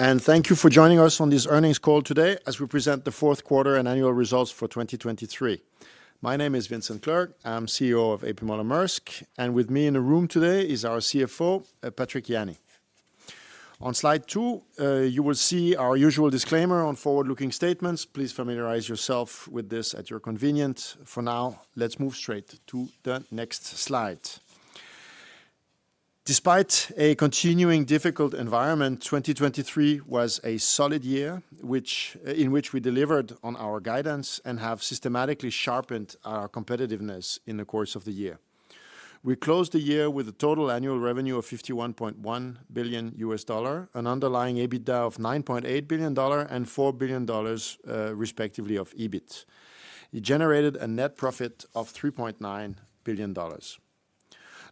Thank you for joining us on this earnings call today as we present the fourth quarter and annual results for 2023. My name is Vincent Clerc. I'm CEO of A.P. Moller – Maersk, and with me in the room today is our CFO, Patrick Jany. On slide 2, you will see our usual disclaimer on forward-looking statements. Please familiarize yourself with this at your convenience. For now, let's move straight to the next slide. Despite a continuing difficult environment, 2023 was a solid year, which, in which we delivered on our guidance and have systematically sharpened our competitiveness in the course of the year. We closed the year with a total annual revenue of $51.1 billion, an underlying EBITDA of $9.8 billion, and $4 billion, respectively, of EBIT. It generated a net profit of $3.9 billion.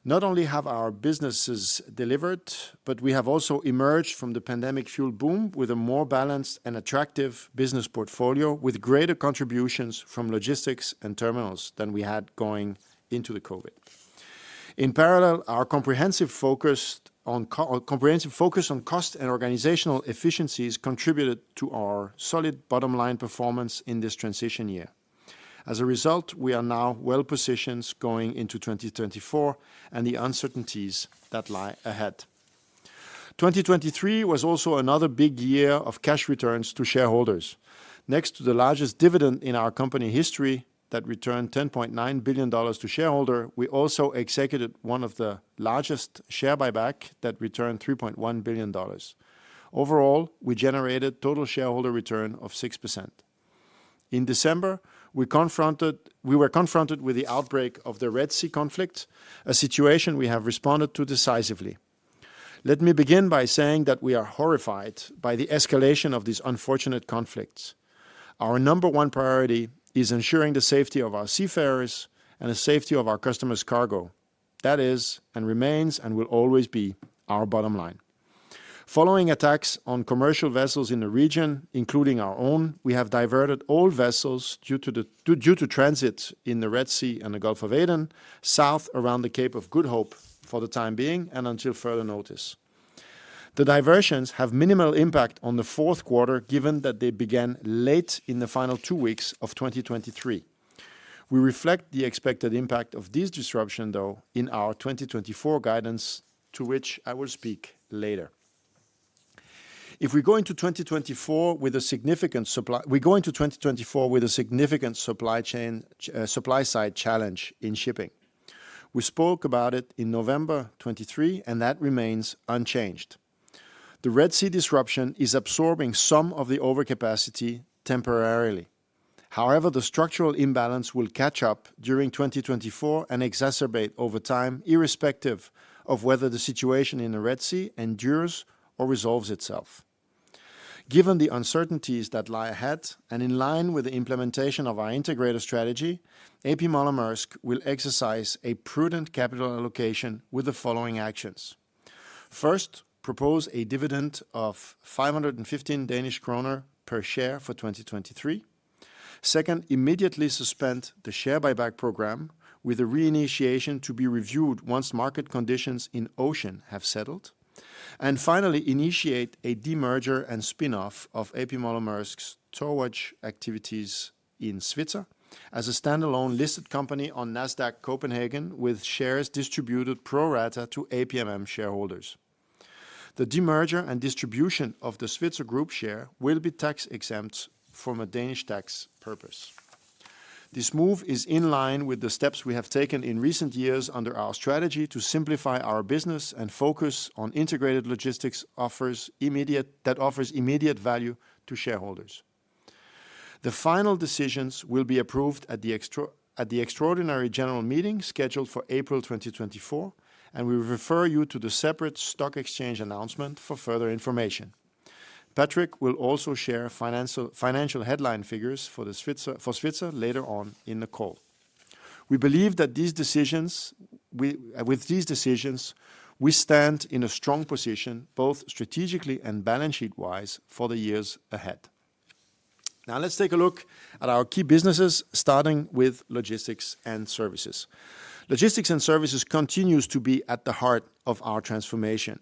Not only have our businesses delivered, but we have also emerged from the pandemic-fueled boom with a more balanced and attractive business portfolio, with greater contributions from Logistics and Terminals than we had going into the COVID. In parallel, our comprehensive focus on cost and organizational efficiencies contributed to our solid bottom line performance in this transition year. As a result, we are now well positioned going into 2024 and the uncertainties that lie ahead. 2023 was also another big year of cash returns to shareholders. Next to the largest dividend in our company history that returned $10.9 billion to shareholder, we also executed one of the largest share buyback that returned $3.1 billion. Overall, we generated total shareholder return of 6%. In December, we were confronted with the outbreak of the Red Sea conflict, a situation we have responded to decisively. Let me begin by saying that we are horrified by the escalation of these unfortunate conflicts. Our number one priority is ensuring the safety of our seafarers and the safety of our customers' cargo. That is, and remains, and will always be our bottom line. Following attacks on commercial vessels in the region, including our own, we have diverted all vessels due to transit in the Red Sea and the Gulf of Aden, south around the Cape of Good Hope for the time being and until further notice. The diversions have minimal impact on the fourth quarter, given that they began late in the final two weeks of 2023. We reflect the expected impact of this disruption, though, in our 2024 guidance, to which I will speak later. If we go into 2024 with a significant supply chain, supply side challenge in shipping. We spoke about it in November 2023, and that remains unchanged. The Red Sea disruption is absorbing some of the overcapacity temporarily. However, the structural imbalance will catch up during 2024 and exacerbate over time, irrespective of whether the situation in the Red Sea endures or resolves itself. Given the uncertainties that lie ahead, and in line with the implementation of our integrated strategy, A.P. Moller - Maersk will exercise a prudent capital allocation with the following actions. First, propose a dividend of 515 Danish kroner per share for 2023. Second, immediately suspend the share buyback program with a reinitiation to be reviewed once market conditions in Ocean have settled. And finally, initiate a demerger and spin-off of A.P. Moller - Maersk's towage activities in Svitzer as a standalone listed company on Nasdaq Copenhagen, with shares distributed pro rata to APMM shareholders. The demerger and distribution of the Svitzer Group share will be tax-exempt from a Danish tax purpose. This move is in line with the steps we have taken in recent years under our strategy to simplify our business and focus on integrated logistics offers immediate, that offers immediate value to shareholders. The final decisions will be approved at the extraordinary annual general meeting scheduled for April 2024, and we refer you to the separate stock exchange announcement for further information. Patrick will also share financial headline figures for Svitzer later on in the call. We believe that these decisions, with these decisions, we stand in a strong position, both strategically and balance sheet-wise, for the years ahead. Now, let's take a look at our key businesses, starting with Logistics and Services. Logistics and Services continues to be at the heart of our transformation.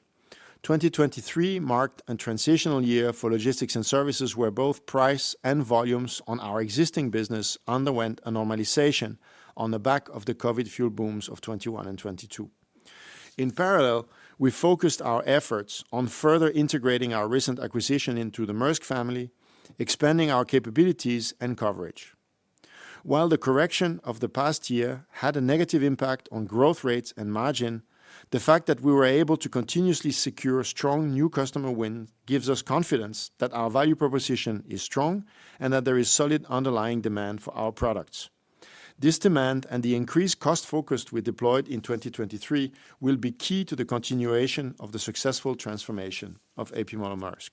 2023 marked a transitional year for Logistics and Services, where both price and volumes on our existing business underwent a normalization on the back of the COVID-fueled booms of 2021 and 2022. In parallel, we focused our efforts on further integrating our recent acquisition into the Maersk family, expanding our capabilities and coverage. While the correction of the past year had a negative impact on growth rates and margin, the fact that we were able to continuously secure strong new customer win gives us confidence that our value proposition is strong and that there is solid underlying demand for our products. This demand and the increased cost focus we deployed in 2023 will be key to the continuation of the successful transformation of A.P. Moller - Maersk.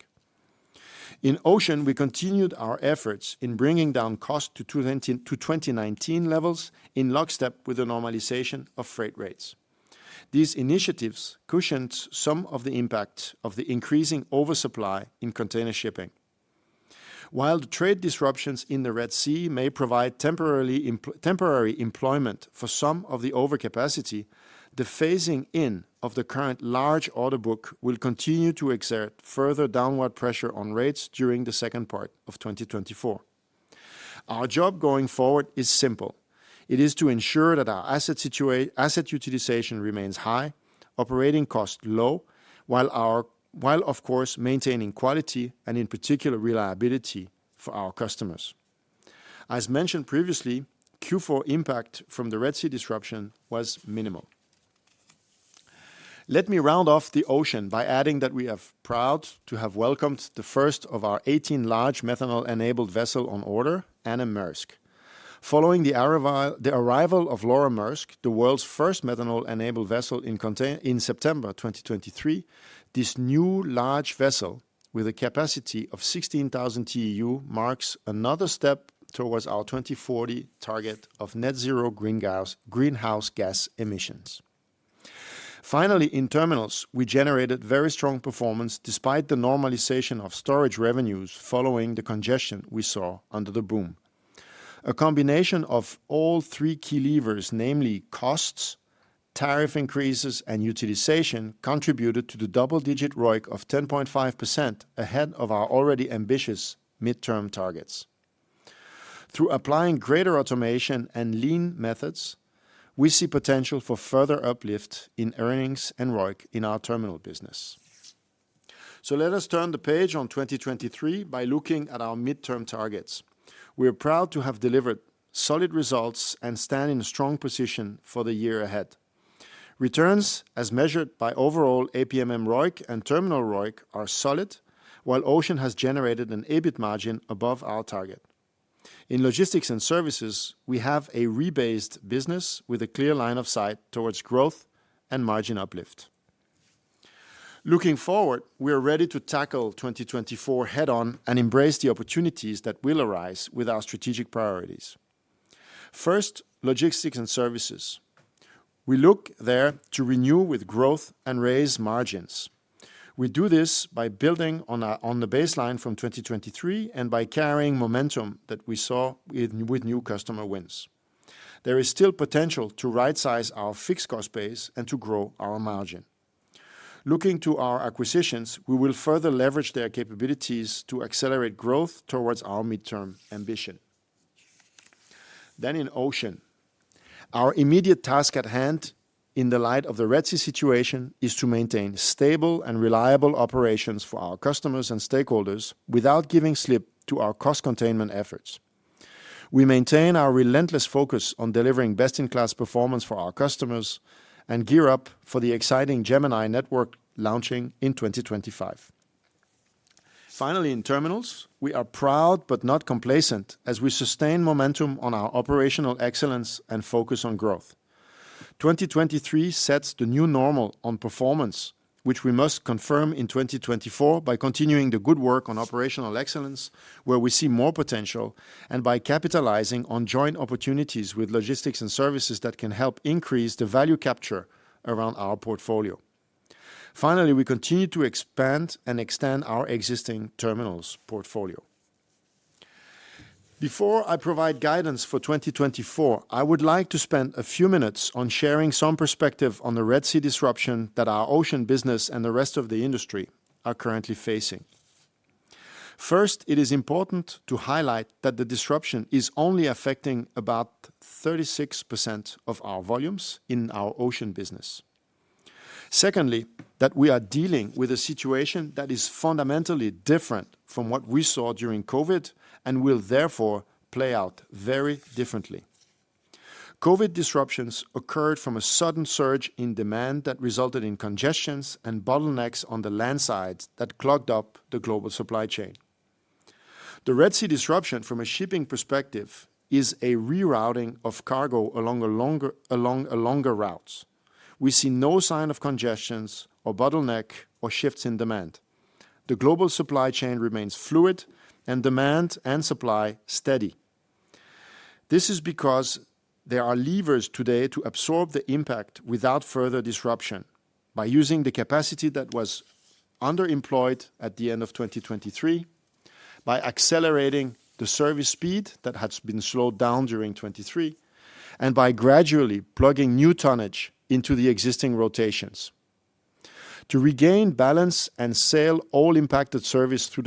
In Ocean, we continued our efforts in bringing down cost to $290, to 2019 levels in lockstep with the normalization of freight rates. These initiatives cushioned some of the impact of the increasing oversupply in container shipping.... While the trade disruptions in the Red Sea may provide temporary employment for some of the overcapacity, the phasing in of the current large order book will continue to exert further downward pressure on rates during the second part of 2024. Our job going forward is simple: It is to ensure that our asset utilization remains high, operating costs low, while of course maintaining quality and in particular reliability for our customers. As mentioned previously, Q4 impact from the Red Sea disruption was minimal. Let me round off the Ocean by adding that we are proud to have welcomed the first of our 18 large methanol-enabled vessel on order, Ane Maersk. Following the arrival of Laura Maersk, the world's first methanol-enabled vessel in September 2023, this new large vessel, with a capacity of 16,000 TEU, marks another step towards our 2040 target of net zero greenhouse gas emissions. Finally, in terminals, we generated very strong performance despite the normalization of storage revenues following the congestion we saw under the boom. A combination of all three key levers, namely costs, tariff increases, and utilization, contributed to the double-digit ROIC of 10.5% ahead of our already ambitious midterm targets. Through applying greater automation and lean methods, we see potential for further uplift in earnings and ROIC in our terminal business. So let us turn the page on 2023 by looking at our midterm targets. We are proud to have delivered solid results and stand in a strong position for the year ahead. Returns, as measured by overall APMM ROIC and Terminals ROIC, are solid, while Ocean has generated an EBIT margin above our target. In Logistics and Services, we have a rebased business with a clear line of sight towards growth and margin uplift. Looking forward, we are ready to tackle 2024 head-on and embrace the opportunities that will arise with our strategic priorities. First, Logistics and Services. We look there to renew with growth and raise margins. We do this by building on our, on the baseline from 2023 and by carrying momentum that we saw with, with new customer wins. There is still potential to rightsize our fixed cost base and to grow our margin. Looking to our acquisitions, we will further leverage their capabilities to accelerate growth towards our midterm ambition. Then in Ocean, our immediate task at hand, in the light of the Red Sea situation, is to maintain stable and reliable operations for our customers and stakeholders without giving slip to our cost containment efforts. We maintain our relentless focus on delivering best-in-class performance for our customers and gear up for the exciting Gemini network launching in 2025. Finally, in Terminals, we are proud but not complacent as we sustain momentum on our operational excellence and focus on growth. 2023 sets the new normal on performance, which we must confirm in 2024 by continuing the good work on operational excellence, where we see more potential, and by capitalizing on joint opportunities with Logistics and Services that can help increase the value capture around our portfolio. Finally, we continue to expand and extend our existing terminals portfolio. Before I provide guidance for 2024, I would like to spend a few minutes on sharing some perspective on the Red Sea disruption that our Ocean business and the rest of the industry are currently facing. First, it is important to highlight that the disruption is only affecting about 36% of our volumes in our Ocean business. Secondly, that we are dealing with a situation that is fundamentally different from what we saw during COVID and will therefore play out very differently. COVID disruptions occurred from a sudden surge in demand that resulted in congestions and bottlenecks on the landside that clogged up the global supply chain. The Red Sea disruption, from a shipping perspective, is a rerouting of cargo along a longer route. We see no sign of congestions or bottleneck or shifts in demand. The global supply chain remains fluid and demand and supply steady. This is because there are levers today to absorb the impact without further disruption, by using the capacity that was underemployed at the end of 2023, by accelerating the service speed that has been slowed down during 2023, and by gradually plugging new tonnage into the existing rotations. To regain balance and sail all impacted service through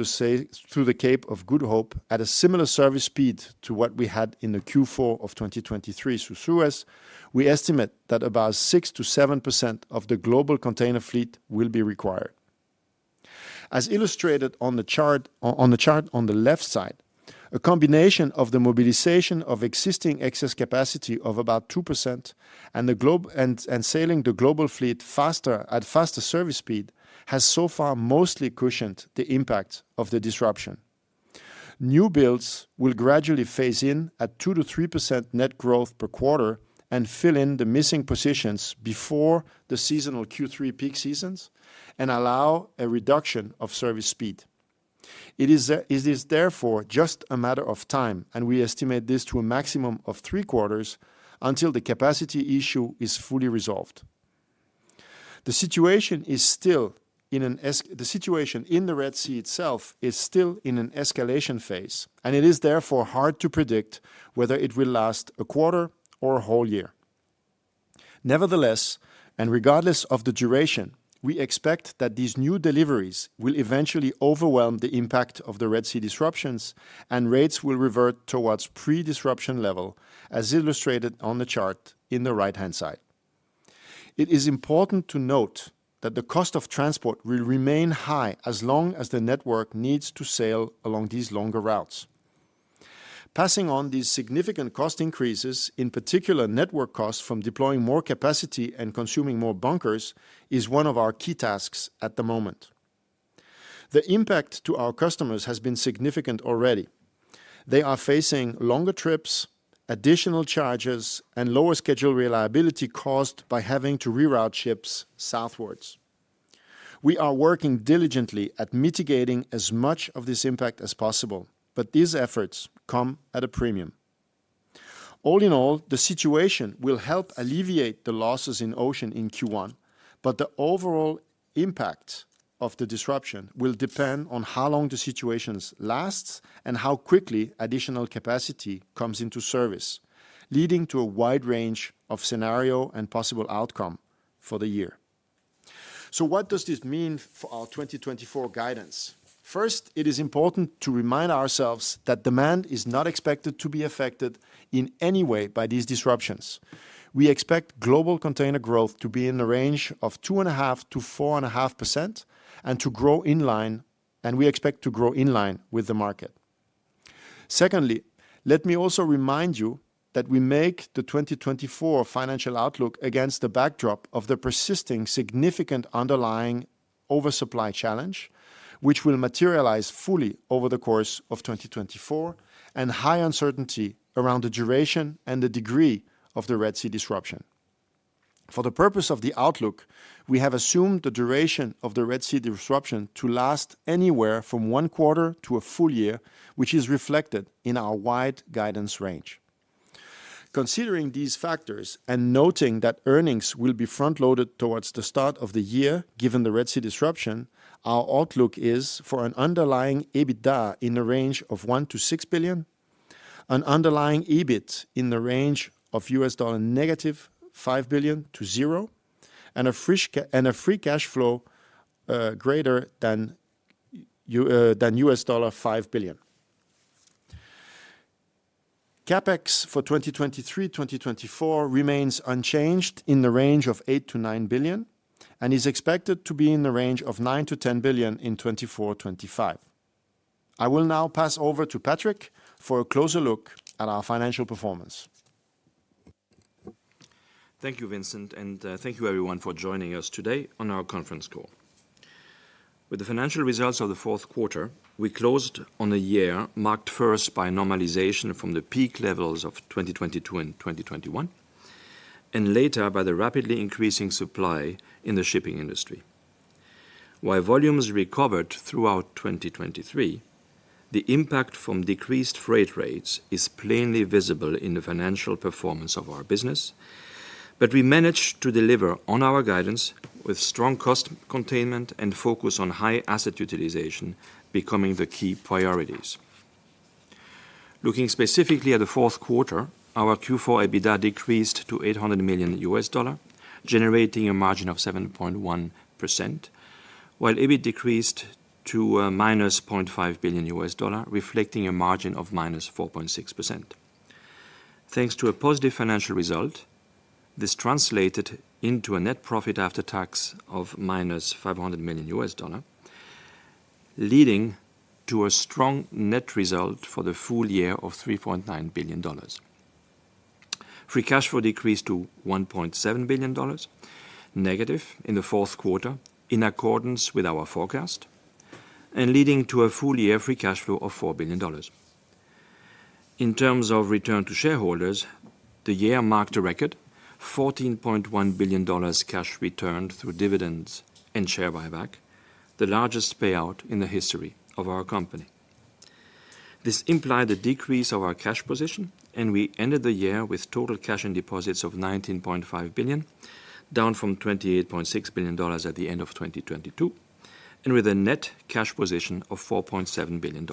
the Cape of Good Hope at a similar service speed to what we had in the Q4 of 2023 through Suez, we estimate that about 6%-7% of the global container fleet will be required. As illustrated on the chart on the left side, a combination of the mobilization of existing excess capacity of about 2% and the globe, sailing the global fleet faster at faster service speed, has so far mostly cushioned the impact of the disruption. New builds will gradually phase in at 2%-3% net growth per quarter and fill in the missing positions before the seasonal Q3 peak seasons and allow a reduction of service speed. It is therefore just a matter of time, and we estimate this to a maximum of 3 quarters, until the capacity issue is fully resolved. The situation in the Red Sea itself is still in an escalation phase, and it is therefore hard to predict whether it will last a quarter or a whole year. Nevertheless, and regardless of the duration, we expect that these new deliveries will eventually overwhelm the impact of the Red Sea disruptions, and rates will revert towards pre-disruption level, as illustrated on the chart in the right-hand side. It is important to note that the cost of transport will remain high as long as the network needs to sail along these longer routes. Passing on these significant cost increases, in particular network costs from deploying more capacity and consuming more bunkers, is one of our key tasks at the moment. The impact to our customers has been significant already. They are facing longer trips, additional charges, and lower schedule reliability caused by having to reroute ships southwards. We are working diligently at mitigating as much of this impact as possible, but these efforts come at a premium. All in all, the situation will help alleviate the losses in Ocean in Q1, but the overall impact of the disruption will depend on how long the situation lasts and how quickly additional capacity comes into service, leading to a wide range of scenarios and possible outcomes for the year. So what does this mean for our 2024 guidance? First, it is important to remind ourselves that demand is not expected to be affected in any way by these disruptions. We expect global container growth to be in the range of 2.5%-4.5%, and to grow in line, and we expect to grow in line with the market. Secondly, let me also remind you that we make the 2024 financial outlook against the backdrop of the persisting significant underlying oversupply challenge, which will materialize fully over the course of 2024, and high uncertainty around the duration and the degree of the Red Sea disruption. For the purpose of the outlook, we have assumed the duration of the Red Sea disruption to last anywhere from one quarter to a full year, which is reflected in our wide guidance range. Considering these factors and noting that earnings will be front-loaded towards the start of the year, given the Red Sea disruption, our outlook is for an underlying EBITDA in the range of $1 billion-$6 billion, an underlying EBIT in the range of -$5 billion-$0, and a free cash flow greater than $5 billion. CapEx for 2023-2024 remains unchanged in the range of $8 billion-$9 billion and is expected to be in the range of $9 billion-$10 billion in 2024/2025. I will now pass over to Patrick for a closer look at our financial performance. Thank you, Vincent, and thank you everyone for joining us today on our conference call. With the financial results of the fourth quarter, we closed on a year marked first by normalization from the peak levels of 2022 and 2021, and later by the rapidly increasing supply in the shipping industry. While volumes recovered throughout 2023, the impact from decreased freight rates is plainly visible in the financial performance of our business. But we managed to deliver on our guidance with strong cost containment and focus on high asset utilization becoming the key priorities. Looking specifically at the fourth quarter, our Q4 EBITDA decreased to $800 million, generating a margin of 7.1%, while EBIT decreased to -$0.5 billion, reflecting a margin of -4.6%. Thanks to a positive financial result, this translated into a net profit after tax of -$500 million, leading to a strong net result for the full year of $3.9 billion. Free cash flow decreased to -$1.7 billion in the fourth quarter, in accordance with our forecast, and leading to a full year free cash flow of $4 billion. In terms of return to shareholders, the year marked a record, $14.1 billion cash returned through dividends and share buyback, the largest payout in the history of our company. This implied a decrease of our cash position, and we ended the year with total cash and deposits of $19.5 billion, down from $28.6 billion at the end of 2022, and with a net cash position of $4.7 billion.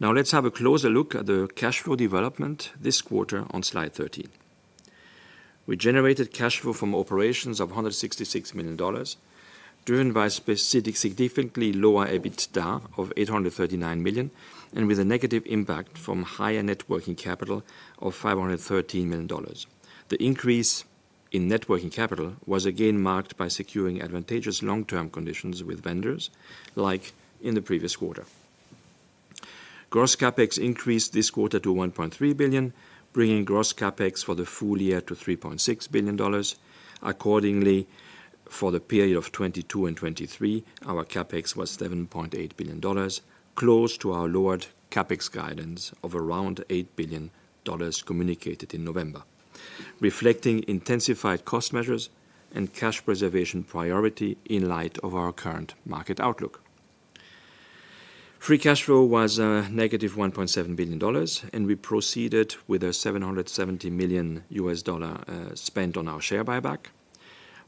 Now, let's have a closer look at the cash flow development this quarter on slide 13. We generated cash flow from operations of $166 million, driven by specifically significantly lower EBITDA of $839 million, and with a negative impact from higher net working capital of $513 million. The increase in net working capital was again marked by securing advantageous long-term conditions with vendors, like in the previous quarter. Gross CapEx increased this quarter to $1.3 billion, bringing gross CapEx for the full year to $3.6 billion. Accordingly, for the period of 2022 and 2023, our CapEx was $7.8 billion, close to our lowered CapEx guidance of around $8 billion communicated in November, reflecting intensified cost measures and cash preservation priority in light of our current market outlook. Free cash flow was negative $1.7 billion, and we proceeded with a $770 million spent on our share buyback,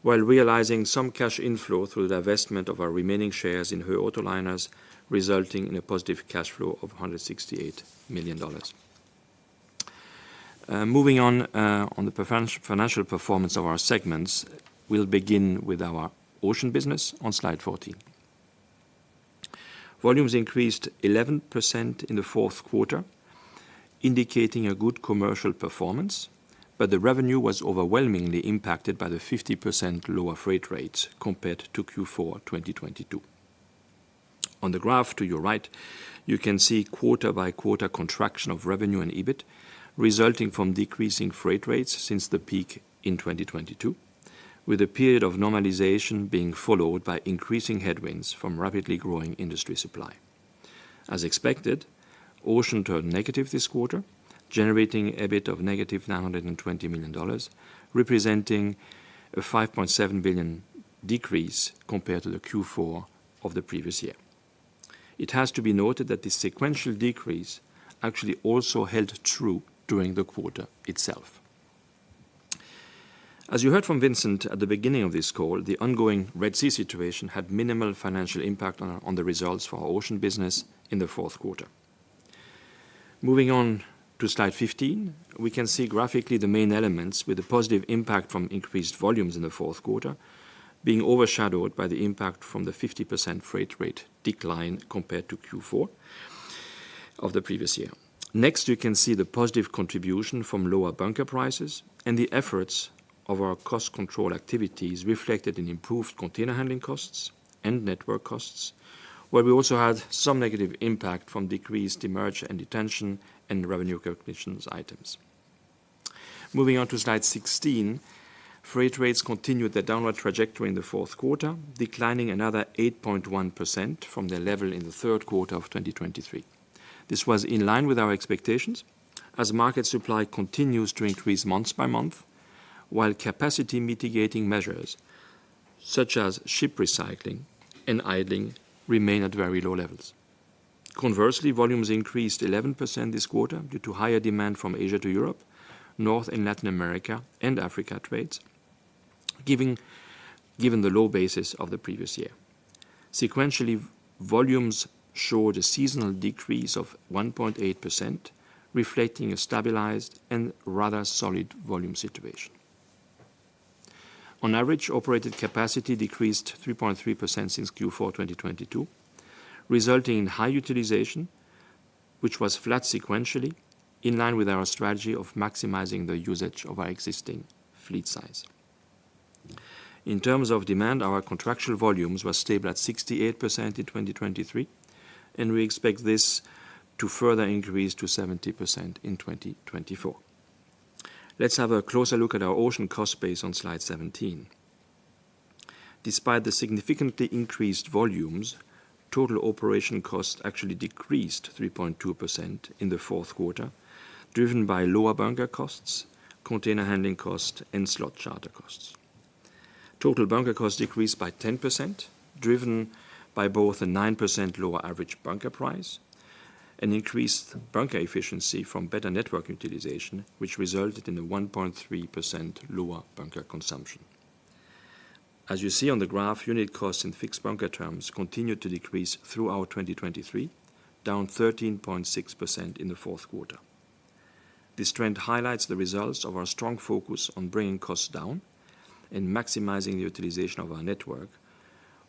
while realizing some cash inflow through the divestment of our remaining shares in Höegh Autoliners, resulting in a positive cash flow of $168 million. Moving on, on the financial performance of our segments, we'll begin with our Ocean business on slide 14. Volumes increased 11% in the fourth quarter, indicating a good commercial performance, but the revenue was overwhelmingly impacted by the 50% lower freight rates compared to Q4 2022. On the graph to your right, you can see quarter-by-quarter contraction of revenue and EBIT, resulting from decreasing freight rates since the peak in 2022, with a period of normalization being followed by increasing headwinds from rapidly growing industry supply. As expected, Ocean turned negative this quarter, generating a bit of -$920 million, representing a $5.7 billion decrease compared to the Q4 of the previous year. It has to be noted that the sequential decrease actually also held true during the quarter itself. As you heard from Vincent at the beginning of this call, the ongoing Red Sea situation had minimal financial impact on the results for our Ocean business in the fourth quarter. Moving on to slide 15, we can see graphically the main elements with a positive impact from increased volumes in the fourth quarter, being overshadowed by the impact from the 50% freight rate decline compared to Q4 of the previous year. Next, you can see the positive contribution from lower bunker prices and the efforts of our cost control activities reflected in improved container handling costs and network costs, where we also had some negative impact from decreased demurrage and detention and revenue recognitions items. Moving on to slide 16, freight rates continued their downward trajectory in the fourth quarter, declining another 8.1% from their level in the third quarter of 2023. This was in line with our expectations as market supply continues to increase month by month, while capacity mitigating measures, such as ship recycling and idling, remain at very low levels. Conversely, volumes increased 11% this quarter due to higher demand from Asia to Europe, North and Latin America, and Africa trades, giving, given the low basis of the previous year. Sequentially, volumes showed a seasonal decrease of 1.8%, reflecting a stabilized and rather solid volume situation. On average, operated capacity decreased 3.3% since Q4 2022, resulting in high utilization, which was flat sequentially, in line with our strategy of maximizing the usage of our existing fleet size. In terms of demand, our contractual volumes were stable at 68% in 2023, and we expect this to further increase to 70% in 2024. Let's have a closer look at our Ocean cost base on slide 17. Despite the significantly increased volumes, total operation costs actually decreased 3.2% in the fourth quarter, driven by lower bunker costs, container handling costs, and slot charter costs. Total bunker costs decreased by 10%, driven by both a 9% lower average bunker price and increased bunker efficiency from better network utilization, which resulted in a 1.3% lower bunker consumption. As you see on the graph, unit costs in fixed bunker terms continued to decrease throughout 2023, down 13.6% in the fourth quarter. This trend highlights the results of our strong focus on bringing costs down and maximizing the utilization of our network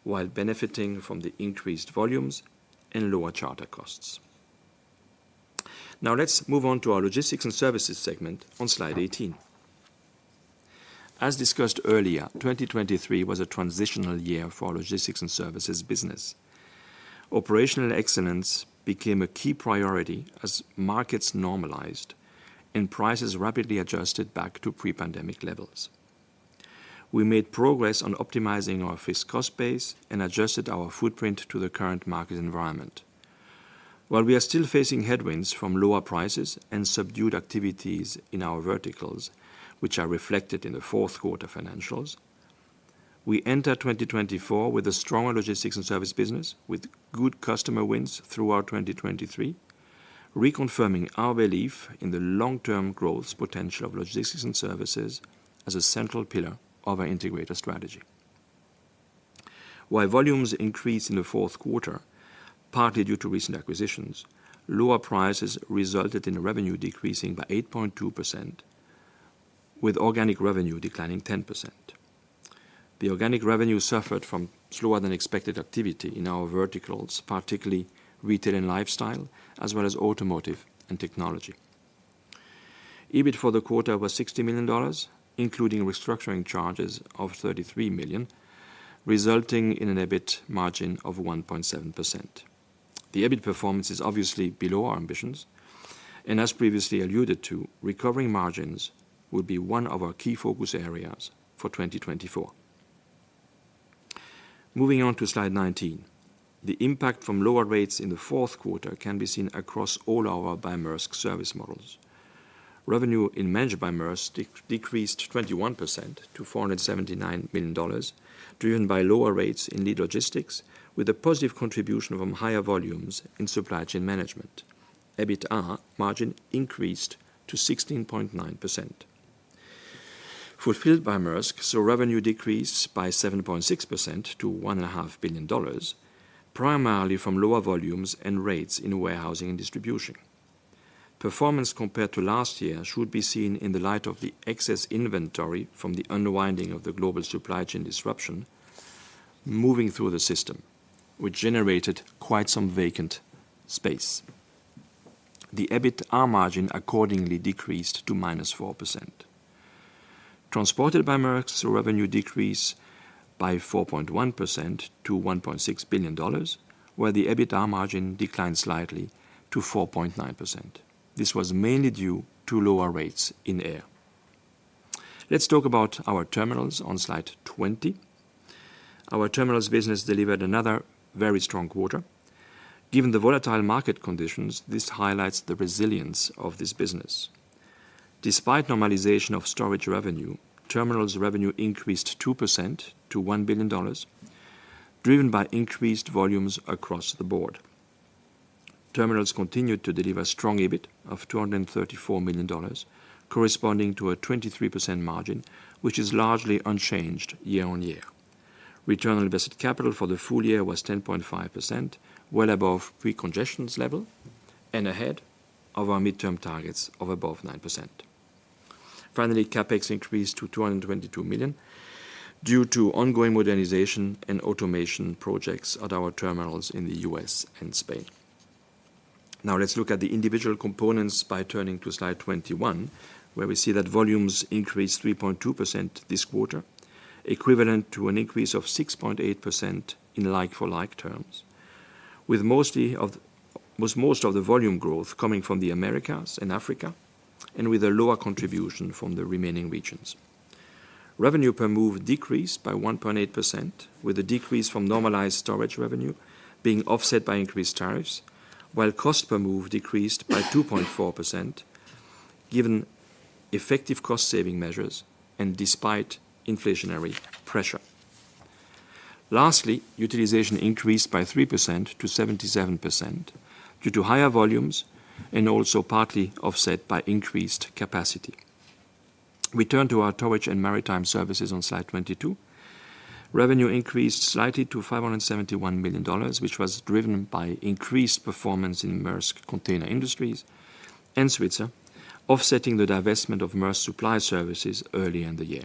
while benefiting from the increased volumes and lower charter costs. Now, let's move on to our Logistics and Services segment on slide 18. As discussed earlier, 2023 was a transitional year for our Logistics and Services business. Operational excellence became a key priority as markets normalized and prices rapidly adjusted back to pre-pandemic levels. We made progress on optimizing our fixed cost base and adjusted our footprint to the current market environment. While we are still facing headwinds from lower prices and subdued activities in our verticals, which are reflected in the fourth quarter financials, we enter 2024 with a stronger Logistics and Service business, with good customer wins throughout 2023, reconfirming our belief in the long-term growth potential of Logistics and Services as a central pillar of our integrator strategy. While volumes increased in the fourth quarter, partly due to recent acquisitions, lower prices resulted in revenue decreasing by 8.2%, with organic revenue declining 10%. The organic revenue suffered from slower than expected activity in our verticals, particularly retail and lifestyle, as well as automotive and technology. EBIT for the quarter was $60 million, including restructuring charges of $33 million, resulting in an EBIT margin of 1.7%. The EBIT performance is obviously below our ambitions, and as previously alluded to, recovering margins will be one of our key focus areas for 2024. Moving on to slide 19. The impact from lower rates in the fourth quarter can be seen across all our by Maersk service models. Revenue in Managed by Maersk decreased 21% to $479 million, driven by lower rates in lead logistics, with a positive contribution from higher volumes in supply chain management. EBITDA margin increased to 16.9%. Fulfilled by Maersk, so revenue decreased by 7.6% to $1.5 billion, primarily from lower volumes and rates in warehousing and distribution. Performance compared to last year should be seen in the light of the excess inventory from the unwinding of the global supply chain disruption, moving through the system, which generated quite some vacant space. The EBITDA margin accordingly decreased to -4%. Transported by Maersk, so revenue decreased by 4.1% to $1.6 billion, where the EBITDA margin declined slightly to 4.9%. This was mainly due to lower rates in air. Let's talk about our Terminals on slide 20. Our Terminals business delivered another very strong quarter. Given the volatile market conditions, this highlights the resilience of this business. Despite normalization of storage revenue, Terminals revenue increased 2% to $1 billion, driven by increased volumes across the board. Terminals continued to deliver strong EBIT of $234 million, corresponding to a 23% margin, which is largely unchanged year-on-year. Return on invested capital for the full year was 10.5%, well above pre-congestions level and ahead of our midterm targets of above 9%. Finally, CapEx increased to $222 million due to ongoing modernization and automation projects at our terminals in the U.S. and Spain. Now, let's look at the individual components by turning to slide 21, where we see that volumes increased 3.2% this quarter, equivalent to an increase of 6.8% in like-for-like terms, with most of the volume growth coming from the Americas and Africa, and with a lower contribution from the remaining regions. Revenue per move decreased by 1.8%, with a decrease from normalized storage revenue being offset by increased tariffs, while cost per move decreased by 2.4%, given effective cost-saving measures and despite inflationary pressure. Lastly, utilization increased by 3% to 77% due to higher volumes and also partly offset by increased capacity. We turn to our Towage and Maritime Services on slide 22. Revenue increased slightly to $571 million, which was driven by increased performance in Maersk Container Industry and Svitzer, offsetting the divestment of Maersk Supply Service early in the year.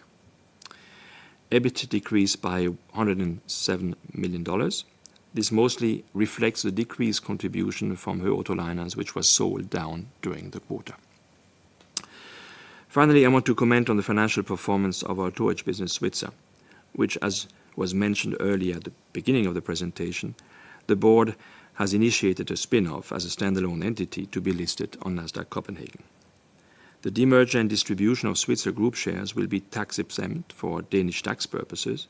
EBIT decreased by $107 million. This mostly reflects the decreased contribution from Höegh Autoliners, which was sold down during the quarter. Finally, I want to comment on the financial performance of our Towage business, Svitzer, which, as was mentioned earlier at the beginning of the presentation, the board has initiated a spin-off as a standalone entity to be listed on Nasdaq Copenhagen. The demerger and distribution of Svitzer Group shares will be tax-exempt for Danish tax purposes,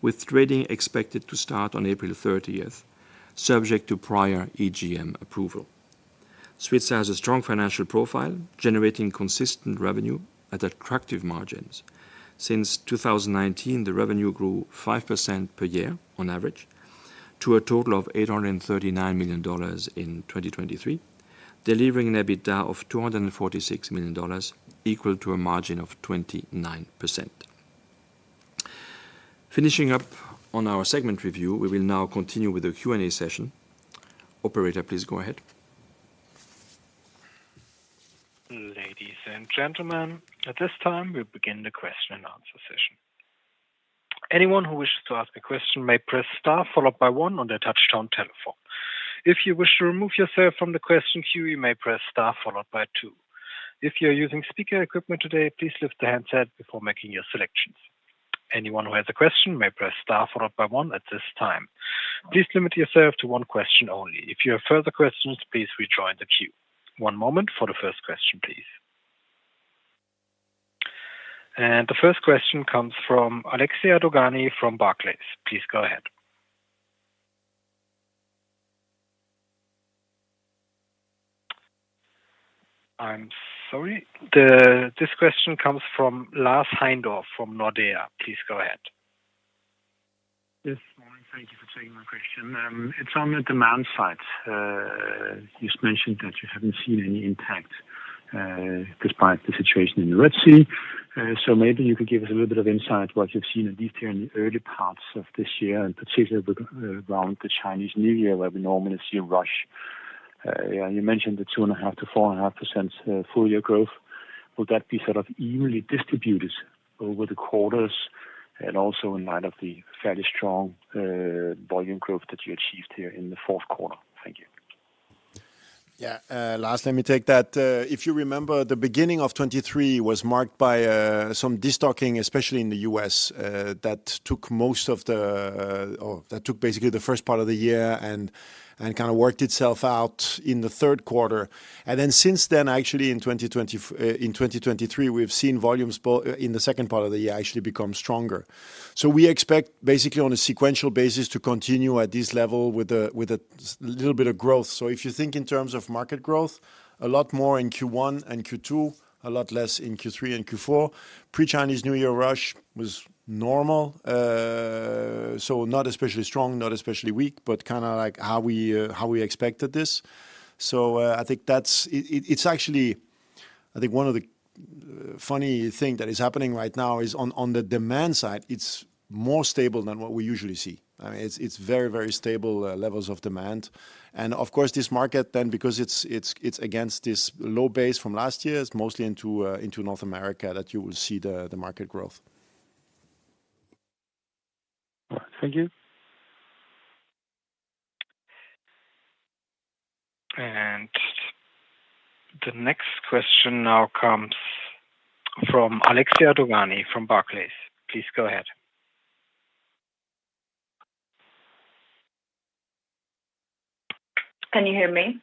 with trading expected to start on April 30th, subject to prior EGM approval. Svitzer has a strong financial profile, generating consistent revenue at attractive margins. Since 2019, the revenue grew 5% per year on average to a total of $839 million in 2023, delivering an EBITDA of $246 million, equal to a margin of 29%. Finishing up on our segment review, we will now continue with the Q&A session. Operator, please go ahead. Ladies and gentlemen, at this time, we'll begin the question and answer session. Anyone who wishes to ask a question may press star followed by one on their touchtone telephone. If you wish to remove yourself from the question queue, you may press star followed by two. If you're using speaker equipment today, please lift the handset before making your selections. Anyone who has a question may press star followed by one at this time. Please limit yourself to one question only. If you have further questions, please rejoin the queue. One moment for the first question, please. The first question comes from Alexia Dogani from Barclays. Please go ahead. I'm sorry, this question comes from Lars Heindorff from Nordea. Please go ahead. Yes. Thank you for taking my question. It's on the demand side. You've mentioned that you haven't seen any impact, despite the situation in the Red Sea. So maybe you could give us a little bit of insight what you've seen at least here in the early parts of this year, and particularly with around the Chinese New Year, where we normally see a rush. Yeah, you mentioned the 2.5%-4.5% full year growth. Would that be sort of evenly distributed over the quarters? And also in light of the fairly strong volume growth that you achieved here in the fourth quarter. Thank you. Yeah, Lars, let me take that. If you remember, the beginning of 2023 was marked by some destocking, especially in the U.S., that took most of the, or that took basically the first part of the year and kind of worked itself out in the third quarter. And then since then, actually, in 2023, we've seen volumes in the second part of the year actually become stronger. So we expect, basically on a sequential basis, to continue at this level with a little bit of growth. So if you think in terms of market growth, a lot more in Q1 and Q2, a lot less in Q3 and Q4. Pre-Chinese New Year rush was normal.... so not especially strong, not especially weak, but kinda like how we expected this. So, I think that's it, it's actually, I think one of the funny thing that is happening right now is on the demand side, it's more stable than what we usually see. It's very, very stable levels of demand. And of course, this market then, because it's against this low base from last year, is mostly into North America, that you will see the market growth. Thank you. The next question now comes from Alexia Dogani from Barclays. Please go ahead. Can you hear me?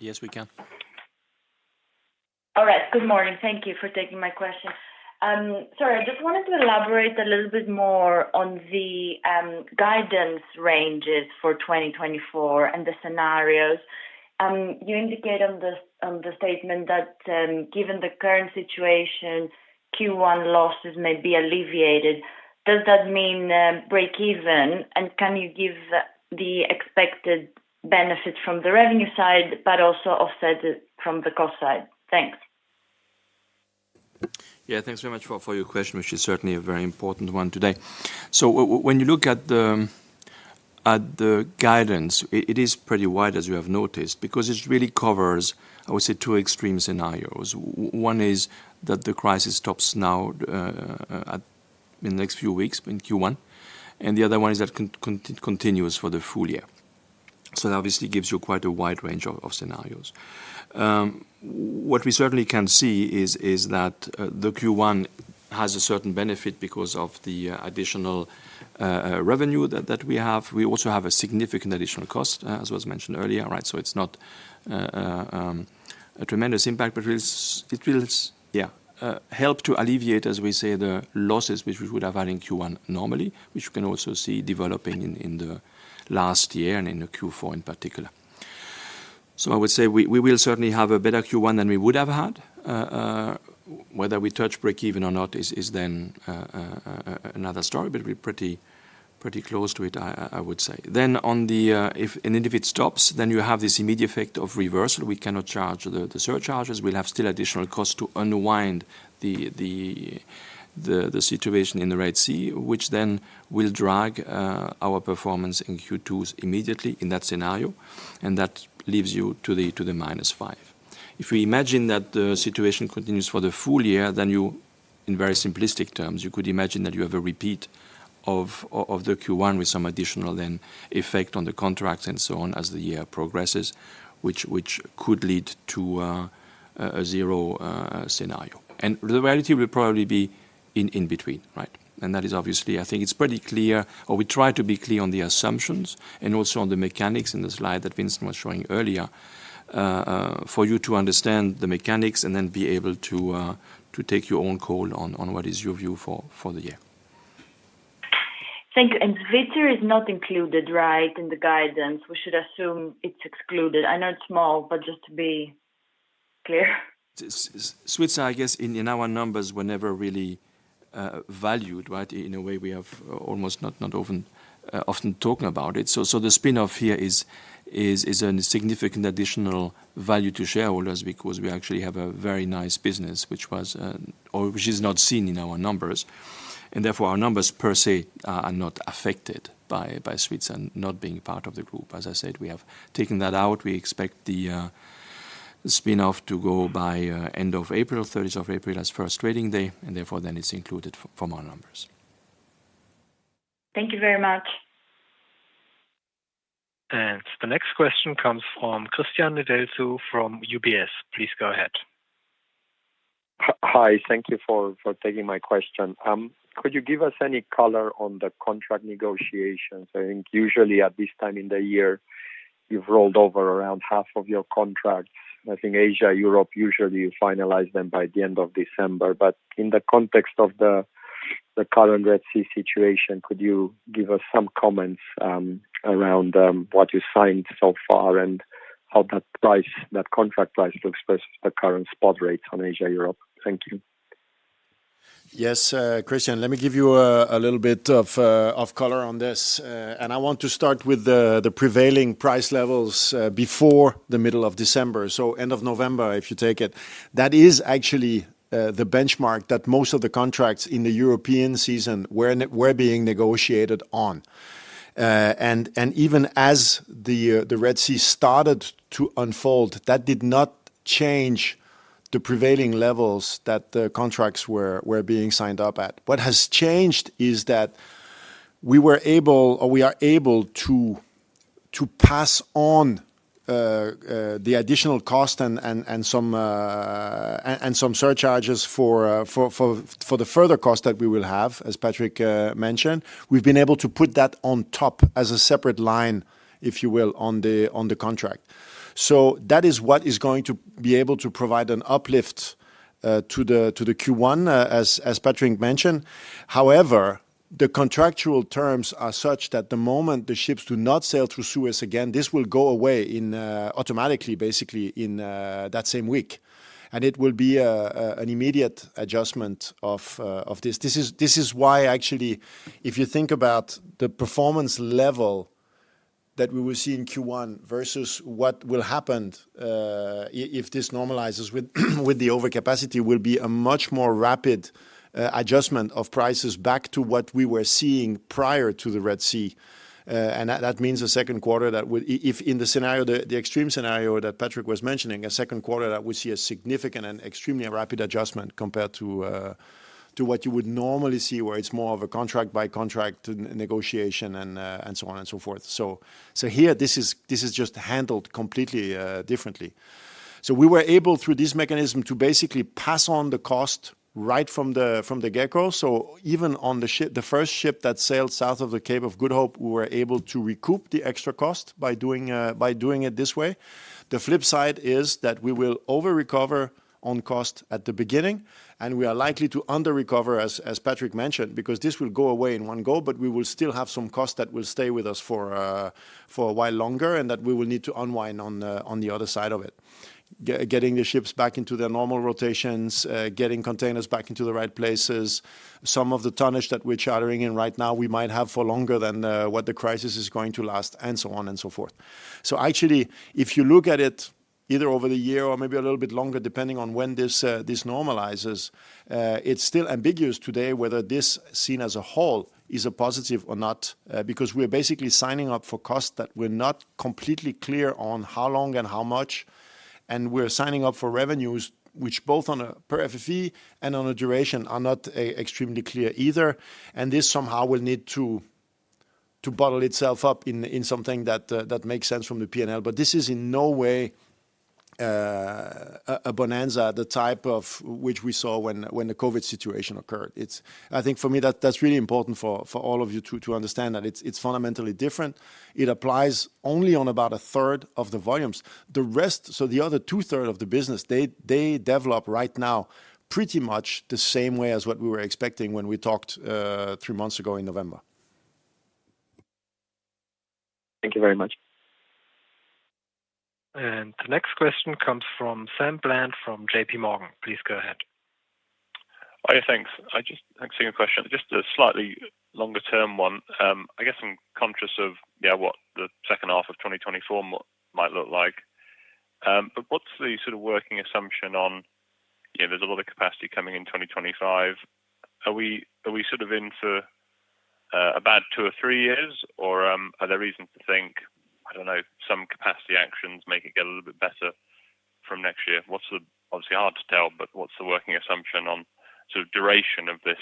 Yes, we can. All right. Good morning. Thank you for taking my question. Sorry, I just wanted to elaborate a little bit more on the, guidance ranges for 2024 and the scenarios. You indicate on the, on the statement that, given the current situation, Q1 losses may be alleviated. Does that mean, breakeven? And can you give the expected benefit from the revenue side, but also offset it from the cost side? Thanks. Yeah, thanks very much for your question, which is certainly a very important one today. So when you look at the guidance, it is pretty wide, as you have noticed, because it really covers, I would say, two extreme scenarios. One is that the crisis stops now in the next few weeks, in Q1, and the other one is that continues for the full year. So that obviously gives you quite a wide range of scenarios. What we certainly can see is that the Q1 has a certain benefit because of the additional revenue that we have. We also have a significant additional cost, as was mentioned earlier, right? So it's not a tremendous impact, but it is—it will, yeah, help to alleviate, as we say, the losses which we would have had in Q1 normally, which we can also see developing in the last year and in the Q4 in particular. So I would say we will certainly have a better Q1 than we would have had. Whether we touch breakeven or not is then another story, but we're pretty close to it, I would say. Then on the if and then if it stops, then you have this immediate effect of reversal. We cannot charge the surcharges. We'll have still additional costs to unwind the situation in the Red Sea, which then will drag our performance in Q2s immediately in that scenario, and that leaves you to the -5. If we imagine that the situation continues for the full year, then you, in very simplistic terms, you could imagine that you have a repeat of the Q1 with some additional then effect on the contracts and so on as the year progresses, which could lead to a 0 scenario. And the reality will probably be in between, right? And that is obviously... I think it's pretty clear, or we try to be clear on the assumptions and also on the mechanics in the slide that Vincent was showing earlier, for you to understand the mechanics and then be able to take your own call on what is your view for the year. Thank you. And Svitzer is not included, right, in the guidance? We should assume it's excluded. I know it's small, but just to be clear. Svitzer, I guess, in our numbers were never really valued, right? In a way, we have almost not often talking about it. So the spin-off here is a significant additional value to shareholders because we actually have a very nice business which is not seen in our numbers, and therefore, our numbers per se are not affected by Svitzer not being part of the group. As I said, we have taken that out. We expect the spin-off to go by end of April, 30th of April, as first trading day, and therefore, then it's included from our numbers. Thank you very much. The next question comes from Cristian Nedelcu from UBS. Please go ahead. Hi, thank you for taking my question. Could you give us any color on the contract negotiations? I think usually at this time in the year, you've rolled over around half of your contracts. I think Asia, Europe, usually you finalize them by the end of December. But in the context of the current Red Sea situation, could you give us some comments around what you signed so far and how that price, that contract price, reflects the current spot rates on Asia-Europe? Thank you. Yes, Cristian, let me give you a little bit of color on this. And I want to start with the prevailing price levels before the middle of December. So end of November, if you take it. That is actually the benchmark that most of the contracts in the European season were being negotiated on. And even as the Red Sea started to unfold, that did not change the prevailing levels that the contracts were being signed up at. What has changed is that we were able or we are able to pass on the additional cost and some surcharges for the further cost that we will have, as Patrick mentioned. We've been able to put that on top as a separate line, if you will, on the contract. So that is what is going to be able to provide an uplift to the Q1, as Patrick mentioned. However, the contractual terms are such that the moment the ships do not sail through Suez again, this will go away automatically, basically in that same week. And it will be an immediate adjustment of this. This is why actually, if you think about the performance level that we will see in Q1 versus what will happen, if this normalizes with the overcapacity will be a much more rapid adjustment of prices back to what we were seeing prior to the Red Sea. And that, that means the second quarter that would—if in the scenario, the extreme scenario that Patrick was mentioning, a second quarter, that we see a significant and extremely rapid adjustment compared to what you would normally see, where it's more of a contract by contract negotiation and so on and so forth. So here, this is just handled completely differently. So we were able, through this mechanism, to basically pass on the cost right from the get-go. So even on the ship, the first ship that sailed south of the Cape of Good Hope, we were able to recoup the extra cost by doing it this way. The flip side is that we will over-recover on cost at the beginning, and we are likely to under-recover, as, as Patrick mentioned, because this will go away in one go, but we will still have some costs that will stay with us for, for a while longer, and that we will need to unwind on the, on the other side of it. Getting the ships back into their normal rotations, getting containers back into the right places. Some of the tonnage that we're chartering in right now, we might have for longer than, what the crisis is going to last, and so on and so forth. So actually, if you look at it either over the year or maybe a little bit longer, depending on when this normalizes, it's still ambiguous today whether this, seen as a whole, is a positive or not. Because we're basically signing up for costs that we're not completely clear on how long and how much, and we're signing up for revenues, which both on a per FFE and on a duration, are not extremely clear either. And this somehow will need to bottle itself up in something that makes sense from the P&L. But this is in no way a bonanza, the type of which we saw when the COVID situation occurred. It's. I think for me, that's really important for all of you to understand, that it's fundamentally different. It applies only on about a third of the volumes. The rest, so the other two-thirds of the business, they develop right now pretty much the same way as what we were expecting when we talked three months ago in November. Thank you very much. The next question comes from Sam Bland, from J.P. Morgan. Please go ahead. Hi, thanks. I just... Thanks for your question. Just a slightly longer term one. I guess I'm conscious of, yeah, what the second half of 2024 might look like. But what's the sort of working assumption on, you know, there's a lot of capacity coming in 2025. Are we, are we sort of in for, a bad 2 or 3 years, or, are there reasons to think, I don't know, some capacity actions make it get a little bit better from next year? What's the-- obviously hard to tell, but what's the working assumption on sort of duration of this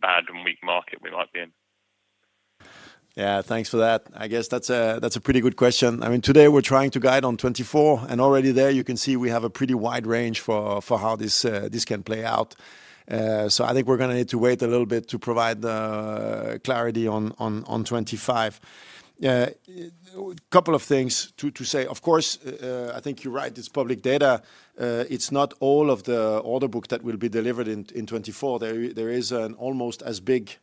bad and weak market we might be in? Yeah, thanks for that. I guess that's a pretty good question. I mean, today we're trying to guide on 2024, and already there you can see we have a pretty wide range for how this can play out. So I think we're gonna need to wait a little bit to provide the clarity on 2025. A couple of things to say: of course, I think you're right, it's public data. It's not all of the order book that will be delivered in 2024. There is an almost as big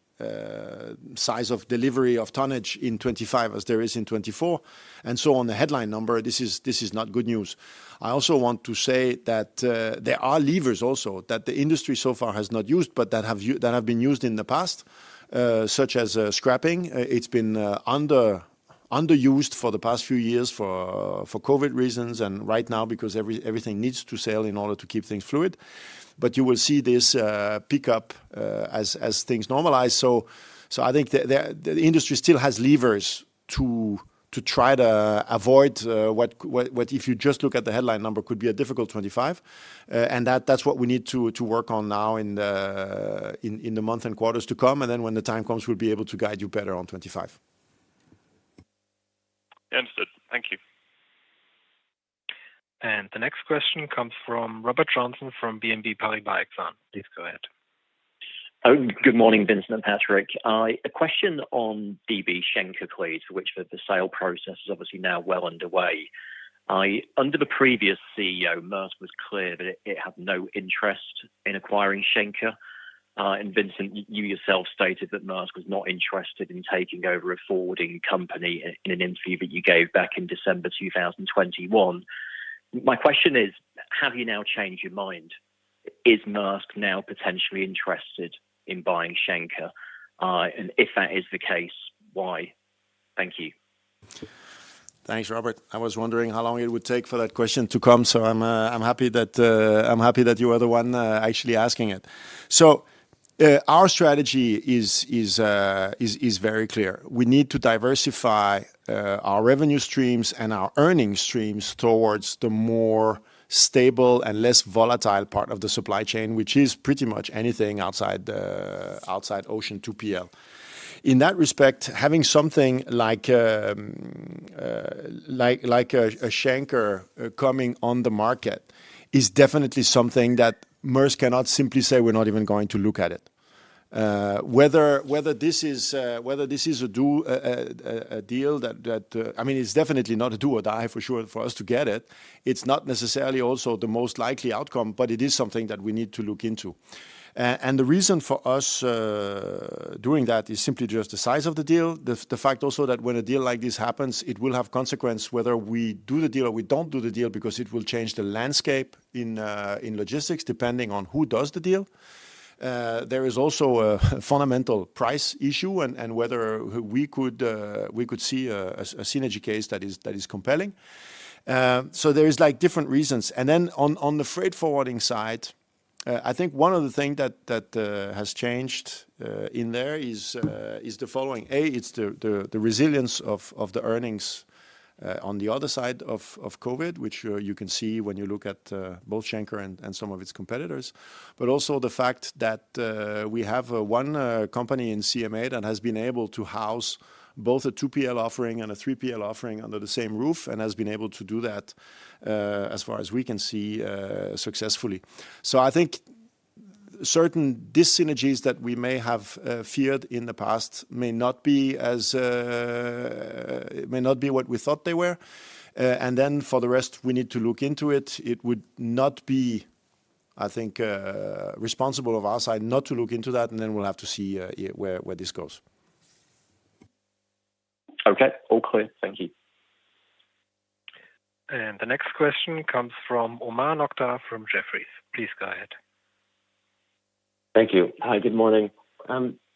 size of delivery of tonnage in 2025 as there is in 2024, and so on the headline number, this is not good news. I also want to say that, there are levers also that the industry so far has not used, but that have been used in the past, such as, scrapping. It's been underused for the past few years for COVID reasons, and right now, because everything needs to sail in order to keep things fluid. But you will see this pick up, as things normalize. So I think the industry still has levers to try to avoid what, if you just look at the headline number, could be a difficult 2025. And that's what we need to work on now in the months and quarters to come, and then when the time comes, we'll be able to guide you better on 2025. Understood. Thank you. The next question comes from Robert Joynson from BNP Paribas Exane. Please go ahead. Oh, good morning, Vincent and Patrick. A question on DB Schenker, please, which the sale process is obviously now well underway. Under the previous CEO, Maersk was clear that it had no interest in acquiring Schenker. And Vincent, you yourself stated that Maersk was not interested in taking over a forwarding company in an interview that you gave back in December 2021. My question is, have you now changed your mind? Is Maersk now potentially interested in buying Schenker? And if that is the case, why? Thank you. Thanks, Robert. I was wondering how long it would take for that question to come, so I'm happy that I'm happy that you are the one actually asking it. So, our strategy is very clear. We need to diversify our revenue streams and our earning streams towards the more stable and less volatile part of the supply chain, which is pretty much anything outside ocean 2PL. In that respect, having something like a Schenker coming on the market is definitely something that Maersk cannot simply say, "We're not even going to look at it." Whether this is a deal that I mean, it's definitely not a do or die for sure, for us to get it. It's not necessarily also the most likely outcome, but it is something that we need to look into. And the reason for us doing that is simply just the size of the deal. The fact also that when a deal like this happens, it will have consequence, whether we do the deal or we don't do the deal, because it will change the landscape in logistics, depending on who does the deal. There is also a fundamental price issue and whether we could see a synergy case that is compelling. So there is, like, different reasons. And then on the freight forwarding side-... I think one of the things that has changed in there is the following: It's the resilience of the earnings on the other side of COVID, which you can see when you look at both Schenker and some of its competitors. But also the fact that we have one company in CMA that has been able to house both a 2PL offering and a 3PL offering under the same roof, and has been able to do that, as far as we can see, successfully. So I think certain dis-synergies that we may have feared in the past may not be as may not be what we thought they were. And then for the rest, we need to look into it. It would not be, I think, responsible of our side not to look into that, and then we'll have to see where this goes. Okay, all clear. Thank you. The next question comes from Omar Nokta from Jefferies. Please go ahead. Thank you. Hi, good morning.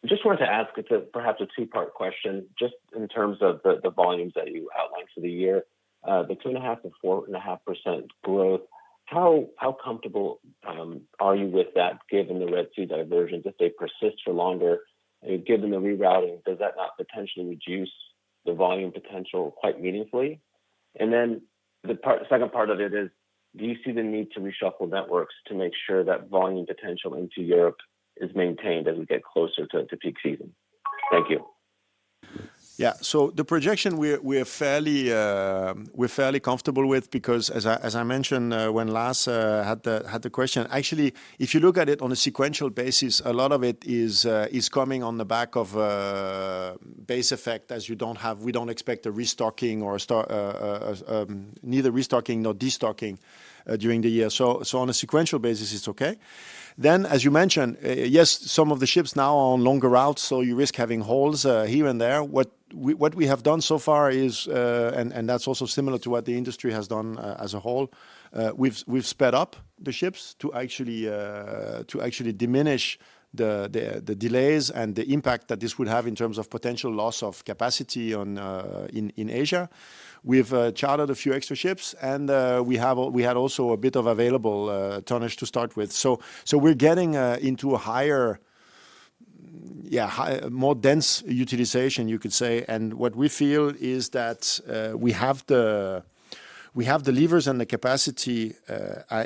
Just wanted to ask it's a, perhaps a two-part question, just in terms of the, the volumes that you outlined for the year. The 2.5%-4.5% growth, how comfortable are you with that, given the Red Sea diversions, if they persist for longer, given the rerouting, does that not potentially reduce the volume potential quite meaningfully? And then the second part of it is, do you see the need to reshuffle networks to make sure that volume potential into Europe is maintained as we get closer to peak season? Thank you. Yeah. So the projection, we're fairly comfortable with, because as I mentioned, when Lars had the question, actually, if you look at it on a sequential basis, a lot of it is coming on the back of base effect, as we don't expect neither restocking nor destocking during the year. So on a sequential basis, it's okay. Then, as you mentioned, yes, some of the ships now are on longer routes, so you risk having holes here and there. What we have done so far is, and that's also similar to what the industry has done as a whole. We've sped up the ships to actually diminish the delays and the impact that this would have in terms of potential loss of capacity in Asia. We've chartered a few extra ships, and we had also a bit of available tonnage to start with. So we're getting into a higher, more dense utilization, you could say. And what we feel is that we have the levers and the capacity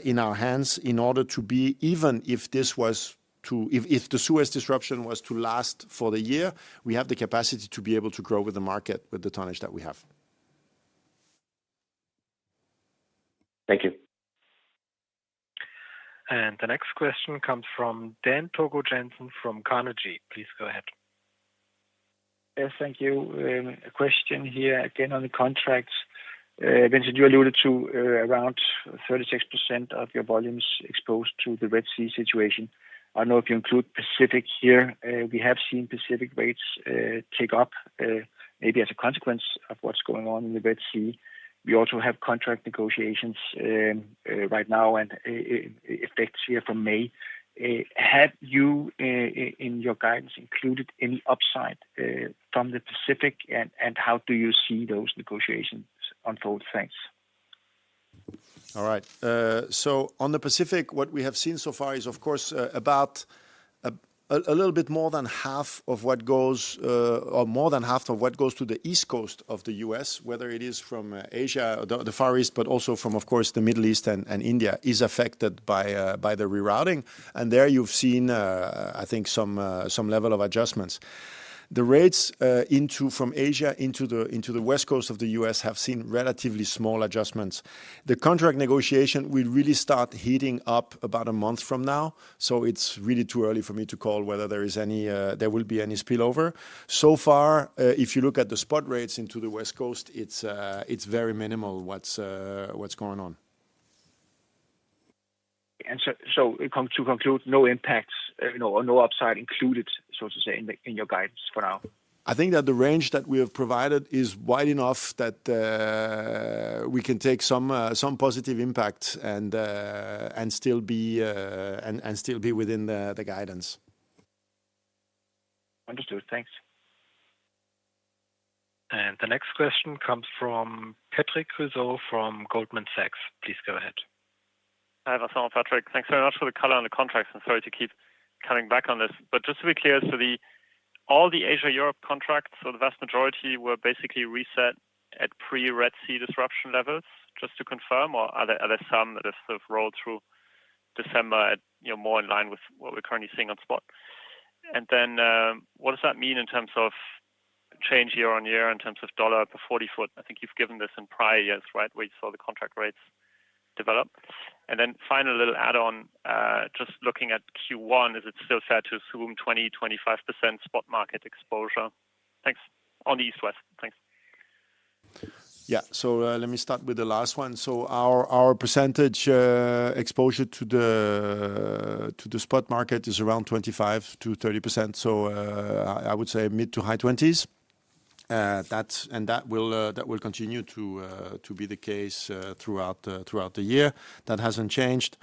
in our hands in order to be able to, if the Suez disruption was to last for the year, we have the capacity to be able to grow with the market, with the tonnage that we have. Thank you. The next question comes from Dan Togo Jensen from Carnegie. Please go ahead. Yes, thank you. A question here again on the contracts. Vincent, you alluded to around 36% of your volumes exposed to the Red Sea situation. I don't know if you include Pacific here. We have seen Pacific rates tick up, maybe as a consequence of what's going on in the Red Sea. We also have contract negotiations right now, and effects here from May. Have you in your guidance included any upside from the Pacific, and how do you see those negotiations unfold? Thanks. All right. So on the Pacific, what we have seen so far is, of course, about a little bit more than half of what goes, or more than half of what goes to the East Coast of the U.S., whether it is from Asia or the Far East, but also from, of course, the Middle East and India, is affected by the rerouting. There you've seen, I think some level of adjustments. The rates into from Asia into the West Coast of the U.S. have seen relatively small adjustments. The contract negotiation will really start heating up about a month from now, so it's really too early for me to call whether there is any there will be any spillover. So far, if you look at the spot rates into the West Coast, it's very minimal, what's going on. So to conclude, no impacts, no, or no upside included, so to say, in your guidance for now? I think that the range that we have provided is wide enough that we can take some positive impact and still be within the guidance. Understood. Thanks. The next question comes from Patrick Creuset from Goldman Sachs. Please go ahead. Hi, Vincent. Patrick. Thanks very much for the color on the contracts, and sorry to keep coming back on this. But just to be clear, so the, all the Asia-Europe contracts, so the vast majority were basically reset at pre-Red Sea disruption levels, just to confirm, or are there, are there some that are sort of rolled through December at, you know, more in line with what we're currently seeing on spot? And then, what does that mean in terms of change year-on-year, in terms of $ per 40 ft? I think you've given this in prior years, right, where you saw the contract rates develop. And then final little add on, just looking at Q1, is it still fair to assume 20%-25% spot market exposure? Thanks. On the East-West. Thanks. Yeah. So, let me start with the last one. So our percentage exposure to the spot market is around 25%-30%. So, I would say mid to high twenties.... that's, and that will continue to be the case throughout the year. That hasn't changed.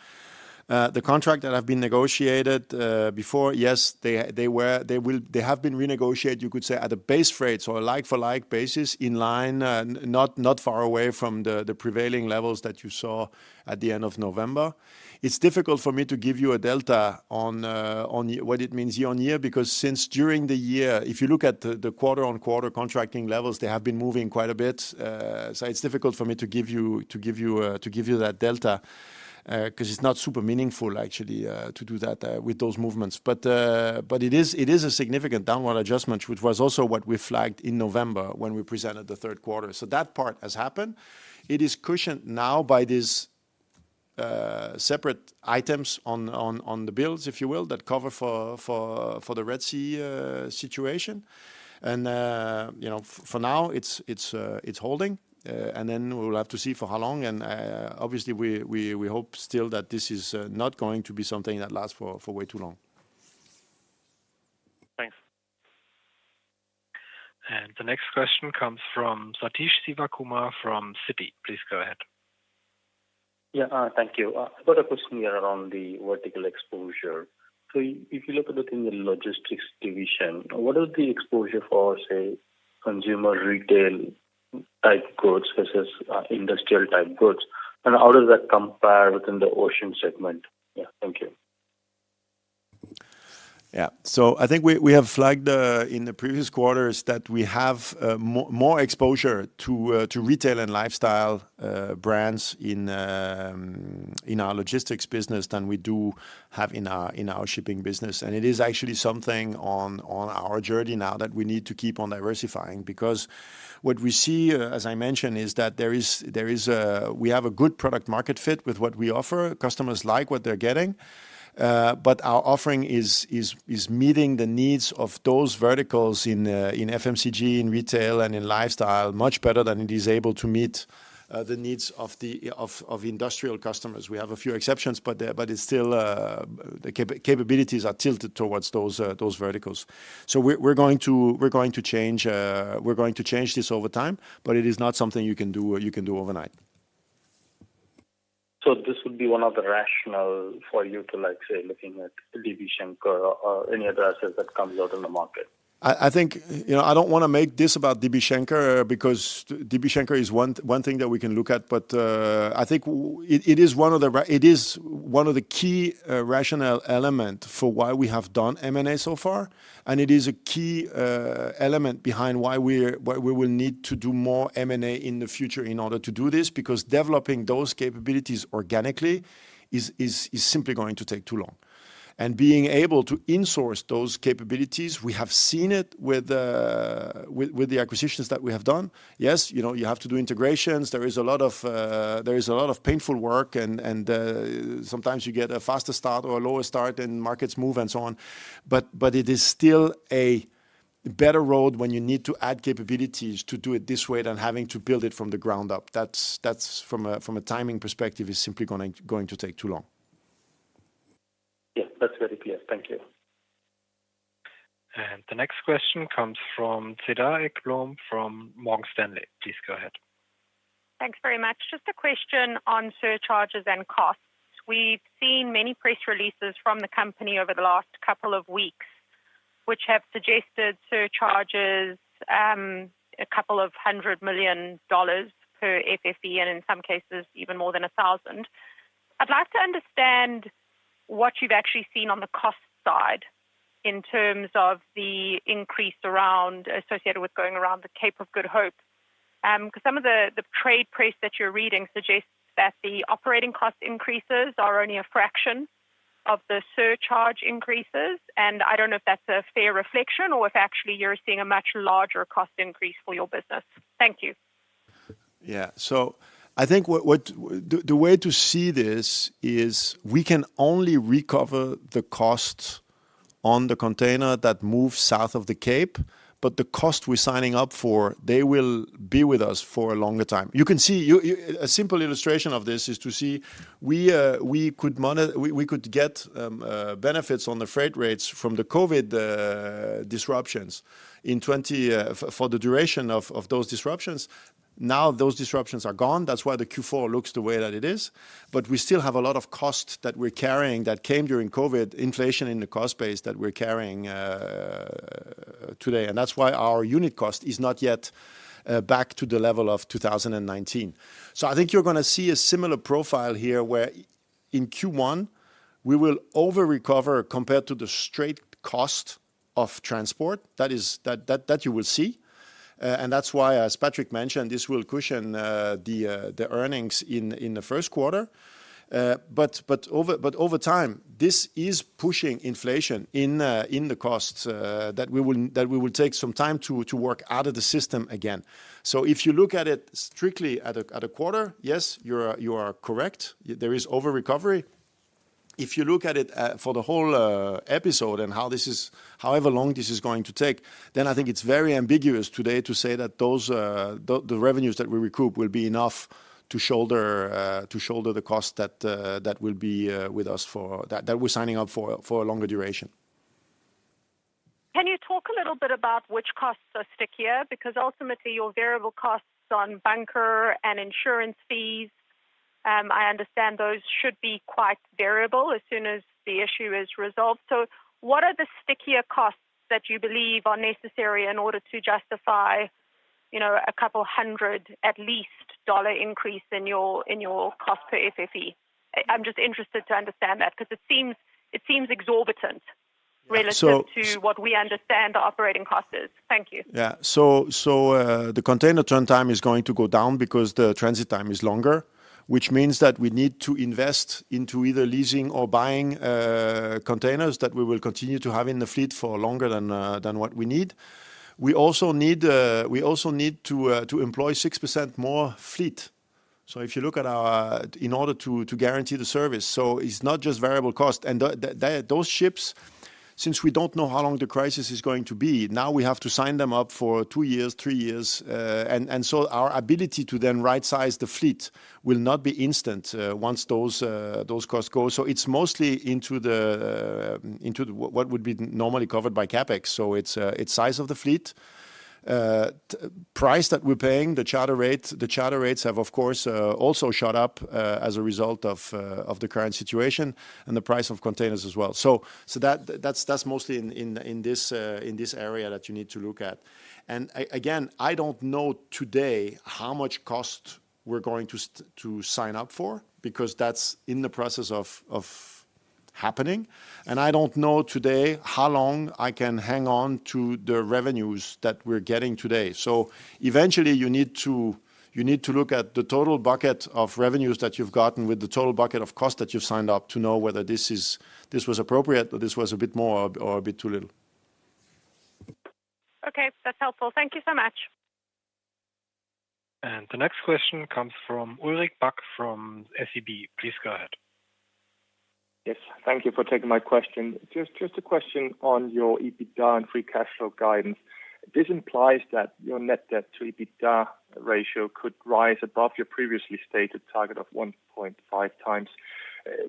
The contract that have been negotiated before, yes, they are-- they were, they will-- they have been renegotiated, you could say, at a base rate, so a like for like basis, in line, not far away from the prevailing levels that you saw at the end of November. It's difficult for me to give you a delta on, on what it means year-on-year, because since during the year, if you look at the quarter-on-quarter contracting levels, they have been moving quite a bit. So it's difficult for me to give you that delta, 'cause it's not super meaningful, actually, to do that, with those movements. But it is a significant downward adjustment, which was also what we flagged in November when we presented the third quarter. So that part has happened. It is cushioned now by these separate items on the bills, if you will, that cover for the Red Sea situation. You know, for now, it's holding, and then we will have to see for how long, and obviously, we hope still that this is not going to be something that lasts for way too long. Thanks. The next question comes from Sathish Sivakumar from Citi. Please go ahead. Yeah, thank you. I've got a question here around the vertical exposure. So if you look at it in the Logistics division, what is the exposure for, say, consumer retail type goods versus, industrial type goods? And how does that compare within the Ocean segment? Yeah. Thank you. Yeah. So I think we, we have flagged in the previous quarters that we have more, more exposure to to retail and lifestyle brands in in our Logistics business than we do have in our in our shipping business. And it is actually something on our journey now that we need to keep on diversifying. Because what we see, as I mentioned, is that there is we have a good product market fit with what we offer. Customers like what they're getting, but our offering is meeting the needs of those verticals in in FMCG, in retail, and in lifestyle, much better than it is able to meet the needs of the of industrial customers. We have a few exceptions, but, but it's still... The capabilities are tilted towards those verticals. So we're going to change this over time, but it is not something you can do overnight. This would be one of the rationale for you to, like, say, looking at DB Schenker or any assets that come out in the market? I think, you know, I don't wanna make this about DB Schenker, because DB Schenker is one thing that we can look at, but I think it is one of the key rationale element for why we have done M&A so far, and it is a key element behind why we will need to do more M&A in the future in order to do this, because developing those capabilities organically is simply going to take too long. And being able to insource those capabilities, we have seen it with the acquisitions that we have done. Yes, you know, you have to do integrations. There is a lot of painful work, and sometimes you get a faster start or a lower start, and markets move and so on. But it is still a better road when you need to add capabilities to do it this way than having to build it from the ground up. That's from a timing perspective is simply going to take too long. Yeah, that's very clear. Thank you. The next question comes from Cedar Ekblom from Morgan Stanley. Please go ahead. Thanks very much. Just a question on surcharges and costs. We've seen many press releases from the company over the last couple of weeks, which have suggested surcharges, a couple of hundred million dollars per FFE, and in some cases, even more than a thousand. I'd like to understand what you've actually seen on the cost side in terms of the increase associated with going around the Cape of Good Hope. 'Cause some of the, the trade press that you're reading suggests that the operating cost increases are only a fraction of the surcharge increases, and I don't know if that's a fair reflection or if actually you're seeing a much larger cost increase for your business. Thank you. Yeah. So I think the way to see this is we can only recover the cost on the container that moves south of the Cape, but the cost we're signing up for, they will be with us for a longer time. You can see, a simple illustration of this is to see, we could get benefits on the freight rates from the COVID disruptions in 2020 for the duration of those disruptions. Now, those disruptions are gone. That's why the Q4 looks the way that it is. But we still have a lot of costs that we're carrying that came during COVID, inflation in the cost base that we're carrying, today, and that's why our unit cost is not yet back to the level of 2019. So I think you're gonna see a similar profile here, where in Q1, we will over-recover compared to the straight cost of transport. That is, you will see. And that's why, as Patrick mentioned, this will cushion the earnings in the first quarter. But over time, this is pushing inflation in the costs that we will take some time to work out of the system again. So if you look at it strictly at a quarter, yes, you are correct, there is over-recovery. If you look at it for the whole episode and how this is... However long this is going to take, then I think it's very ambiguous today to say that those the revenues that we recoup will be enough to shoulder the cost that will be with us for... that we're signing up for, for a longer duration.... Can you talk a little bit about which costs are stickier? Because ultimately, your variable costs on bunker and insurance fees, I understand those should be quite variable as soon as the issue is resolved. So what are the stickier costs that you believe are necessary in order to justify, you know, at least $200 increase in your, in your cost per FFE? I'm just interested to understand that, 'cause it seems, it seems exorbitant- So- relative to what we understand the operating cost is. Thank you. Yeah. So, the container turn time is going to go down because the transit time is longer, which means that we need to invest into either leasing or buying containers that we will continue to have in the fleet for longer than what we need. We also need to employ 6% more fleet. So if you look at our... In order to guarantee the service. So it's not just variable cost, and those ships, since we don't know how long the crisis is going to be, now we have to sign them up for two years, three years, and so our ability to then right-size the fleet will not be instant, once those costs go. So it's mostly into what would be normally covered by CapEx. So it's size of the fleet, price that we're paying, the charter rates. The charter rates have, of course, also shot up as a result of the current situation and the price of containers as well. So that's mostly in this area that you need to look at. And again, I don't know today how much cost we're going to sign up for, because that's in the process of happening, and I don't know today how long I can hang on to the revenues that we're getting today. Eventually, you need to, you need to look at the total bucket of revenues that you've gotten with the total bucket of cost that you've signed up to know whether this is, this was appropriate or this was a bit more or, or a bit too little. Okay, that's helpful. Thank you so much. The next question comes from Ulrik Bak from SEB. Please go ahead. Yes, thank you for taking my question. Just a question on your EBITDA and free cash flow guidance. This implies that your net debt to EBITDA ratio could rise above your previously stated target of 1.5 times.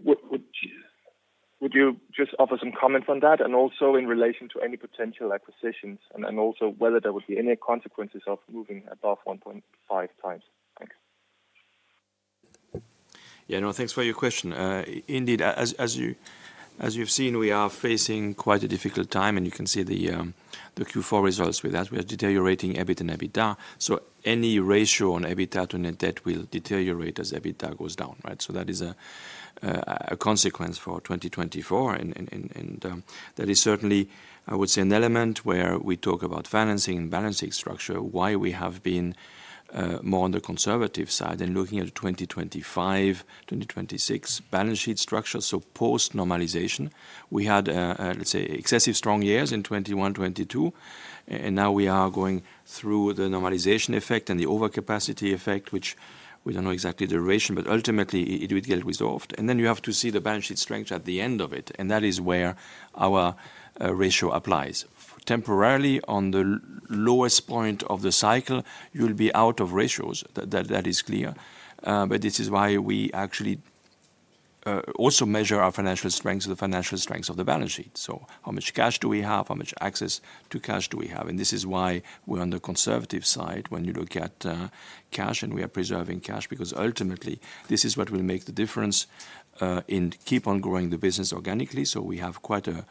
What would you... Would you just offer some comment on that, and also in relation to any potential acquisitions, and then also whether there would be any consequences of moving above 1.5 times? Thanks. Yeah, no, thanks for your question. Indeed, as you, as you've seen, we are facing quite a difficult time, and you can see the Q4 results with that. We are deteriorating EBIT and EBITDA, so any ratio on EBITDA to net debt will deteriorate as EBITDA goes down, right? So that is a consequence for 2024, and that is certainly, I would say, an element where we talk about financing and balancing structure, why we have been more on the conservative side than looking at 2025, 2026 balance sheet structure, so post-normalization. We had, let's say, excessive strong years in 2021, 2022, and now we are going through the normalization effect and the overcapacity effect, which we don't know exactly the duration, but ultimately it will get resolved. And then you have to see the balance sheet strength at the end of it, and that is where our ratio applies. Temporarily, on the lowest point of the cycle, you'll be out of ratios. That, that is clear. But this is why we actually also measure our financial strengths, the financial strengths of the balance sheet. So how much cash do we have? How much access to cash do we have? And this is why we're on the conservative side when you look at cash, and we are preserving cash, because ultimately, this is what will make the difference in keep on growing the business organically. So we have quite a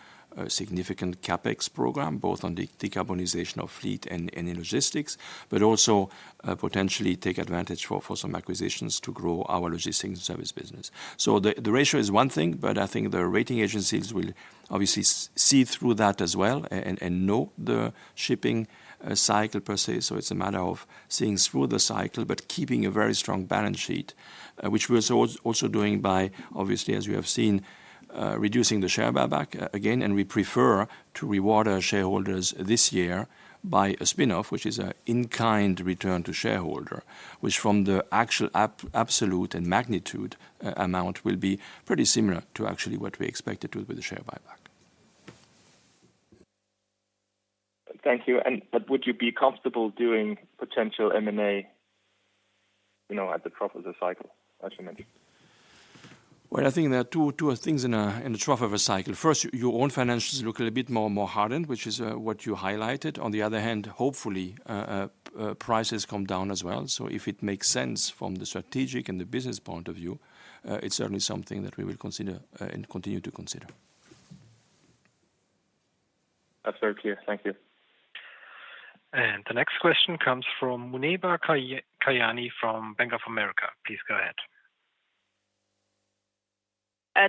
significant CapEx program, both on the decarbonization of fleet and in logistics, but also potentially take advantage for some acquisitions to grow our Logistics and Service business. So the ratio is one thing, but I think the rating agencies will obviously see through that as well and know the shipping cycle per se. So it's a matter of seeing through the cycle, but keeping a very strong balance sheet, which we are also doing by, obviously, as you have seen, reducing the share buyback again, and we prefer to reward our shareholders this year by a spin-off, which is an in-kind return to shareholder, which from the actual absolute and magnitude amount will be pretty similar to actually what we expected with the share buyback. Thank you. But would you be comfortable doing potential M&A, you know, at the top of the cycle, as you mentioned? Well, I think there are two, two things in the trough of a cycle. First, your own financials look a little bit more, more hardened, which is what you highlighted. On the other hand, hopefully, prices come down as well. So if it makes sense from the strategic and the business point of view, it's certainly something that we will consider, and continue to consider. That's very clear. Thank you. The next question comes from Muneeba Kayani from Bank of America. Please go ahead.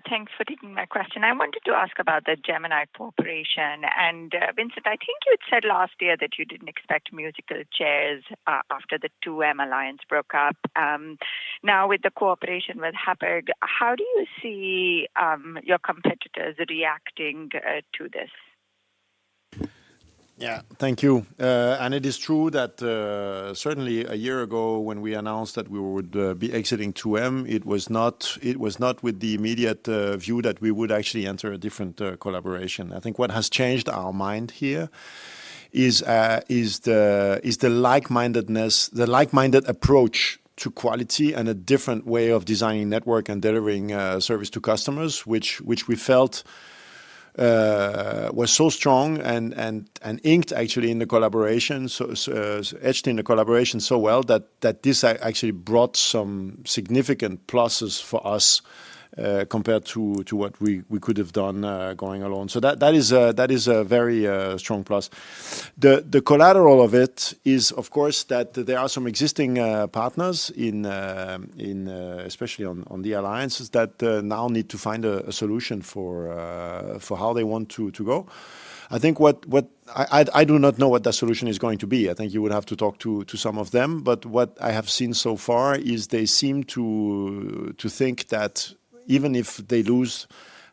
Thanks for taking my question. I wanted to ask about the Gemini Cooperation. And, Vincent, I think you had said last year that you didn't expect musical chairs after the 2M Alliance broke up. Now, with the cooperation with Hapag, how do you see your competitors reacting to this? Yeah. Thank you. It is true that, certainly a year ago, when we announced that we would be exiting 2M, it was not, it was not with the immediate view that we would actually enter a different collaboration. I think what has changed our mind here-... is the like-mindedness, the like-minded approach to quality and a different way of designing network and delivering service to customers, which we felt was so strong and inked actually in the collaboration, so etched in the collaboration so well that this actually brought some significant pluses for us compared to what we could have done going alone. So that is a very strong plus. The collateral of it is, of course, that there are some existing partners in, especially on the alliances, that now need to find a solution for how they want to go. I think what-- I do not know what that solution is going to be. I think you would have to talk to some of them, but what I have seen so far is they seem to think that even if they lose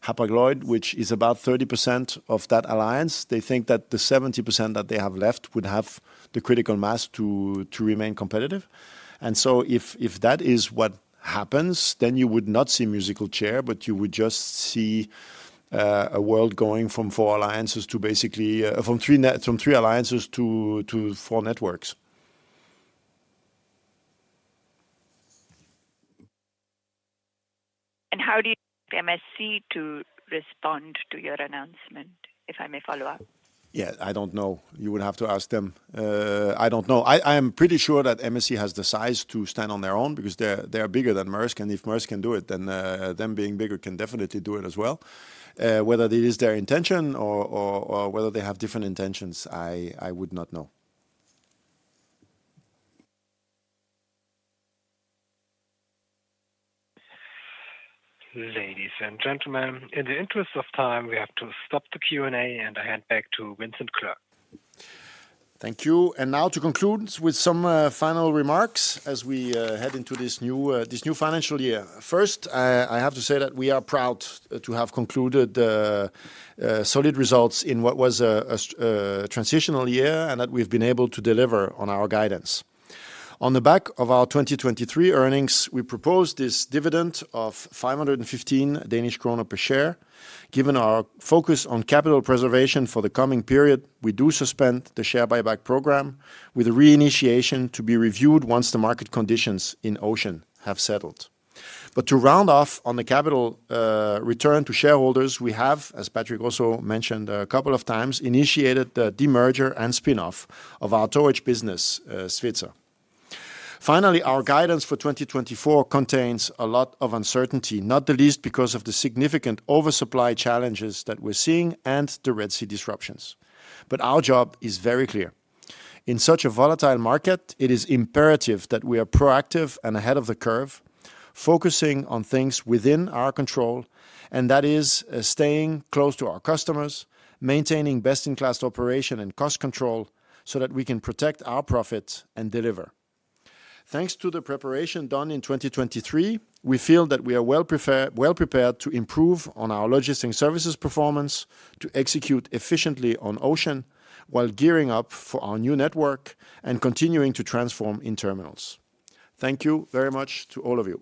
Hapag-Lloyd, which is about 30% of that alliance, they think that the 70% that they have left would have the critical mass to remain competitive. And so if that is what happens, then you would not see musical chair, but you would just see a world going from four alliances to basically from three alliances to four networks. How do you see MSC to respond to your announcement, if I may follow up? Yeah, I don't know. You would have to ask them. I don't know. I am pretty sure that MSC has the size to stand on their own because they're bigger than Maersk, and if Maersk can do it, then them being bigger can definitely do it as well. Whether it is their intention or whether they have different intentions, I would not know. Ladies and gentlemen, in the interest of time, we have to stop the Q&A, and I hand back to Vincent Clerc. Thank you. Now to conclude with some final remarks as we head into this new financial year. First, I have to say that we are proud to have concluded solid results in what was a transitional year, and that we've been able to deliver on our guidance. On the back of our 2023 earnings, we proposed this dividend of 515 Danish kroner per share. Given our focus on capital preservation for the coming period, we do suspend the share buyback program with a reinitiation to be reviewed once the market conditions in Ocean have settled. But to round off on the capital return to shareholders, we have, as Patrick also mentioned a couple of times, initiated the demerger and spin-off of our towage business, Svitzer. Finally, our guidance for 2024 contains a lot of uncertainty, not the least, because of the significant oversupply challenges that we're seeing and the Red Sea disruptions. But our job is very clear. In such a volatile market, it is imperative that we are proactive and ahead of the curve, focusing on things within our control, and that is staying close to our customers, maintaining best-in-class operation and cost control, so that we can protect our profits and deliver. Thanks to the preparation done in 2023, we feel that we are well prepared to improve on our Logistics and Services performance, to execute efficiently on Ocean, while gearing up for our new network and continuing to transform in Terminals. Thank you very much to all of you.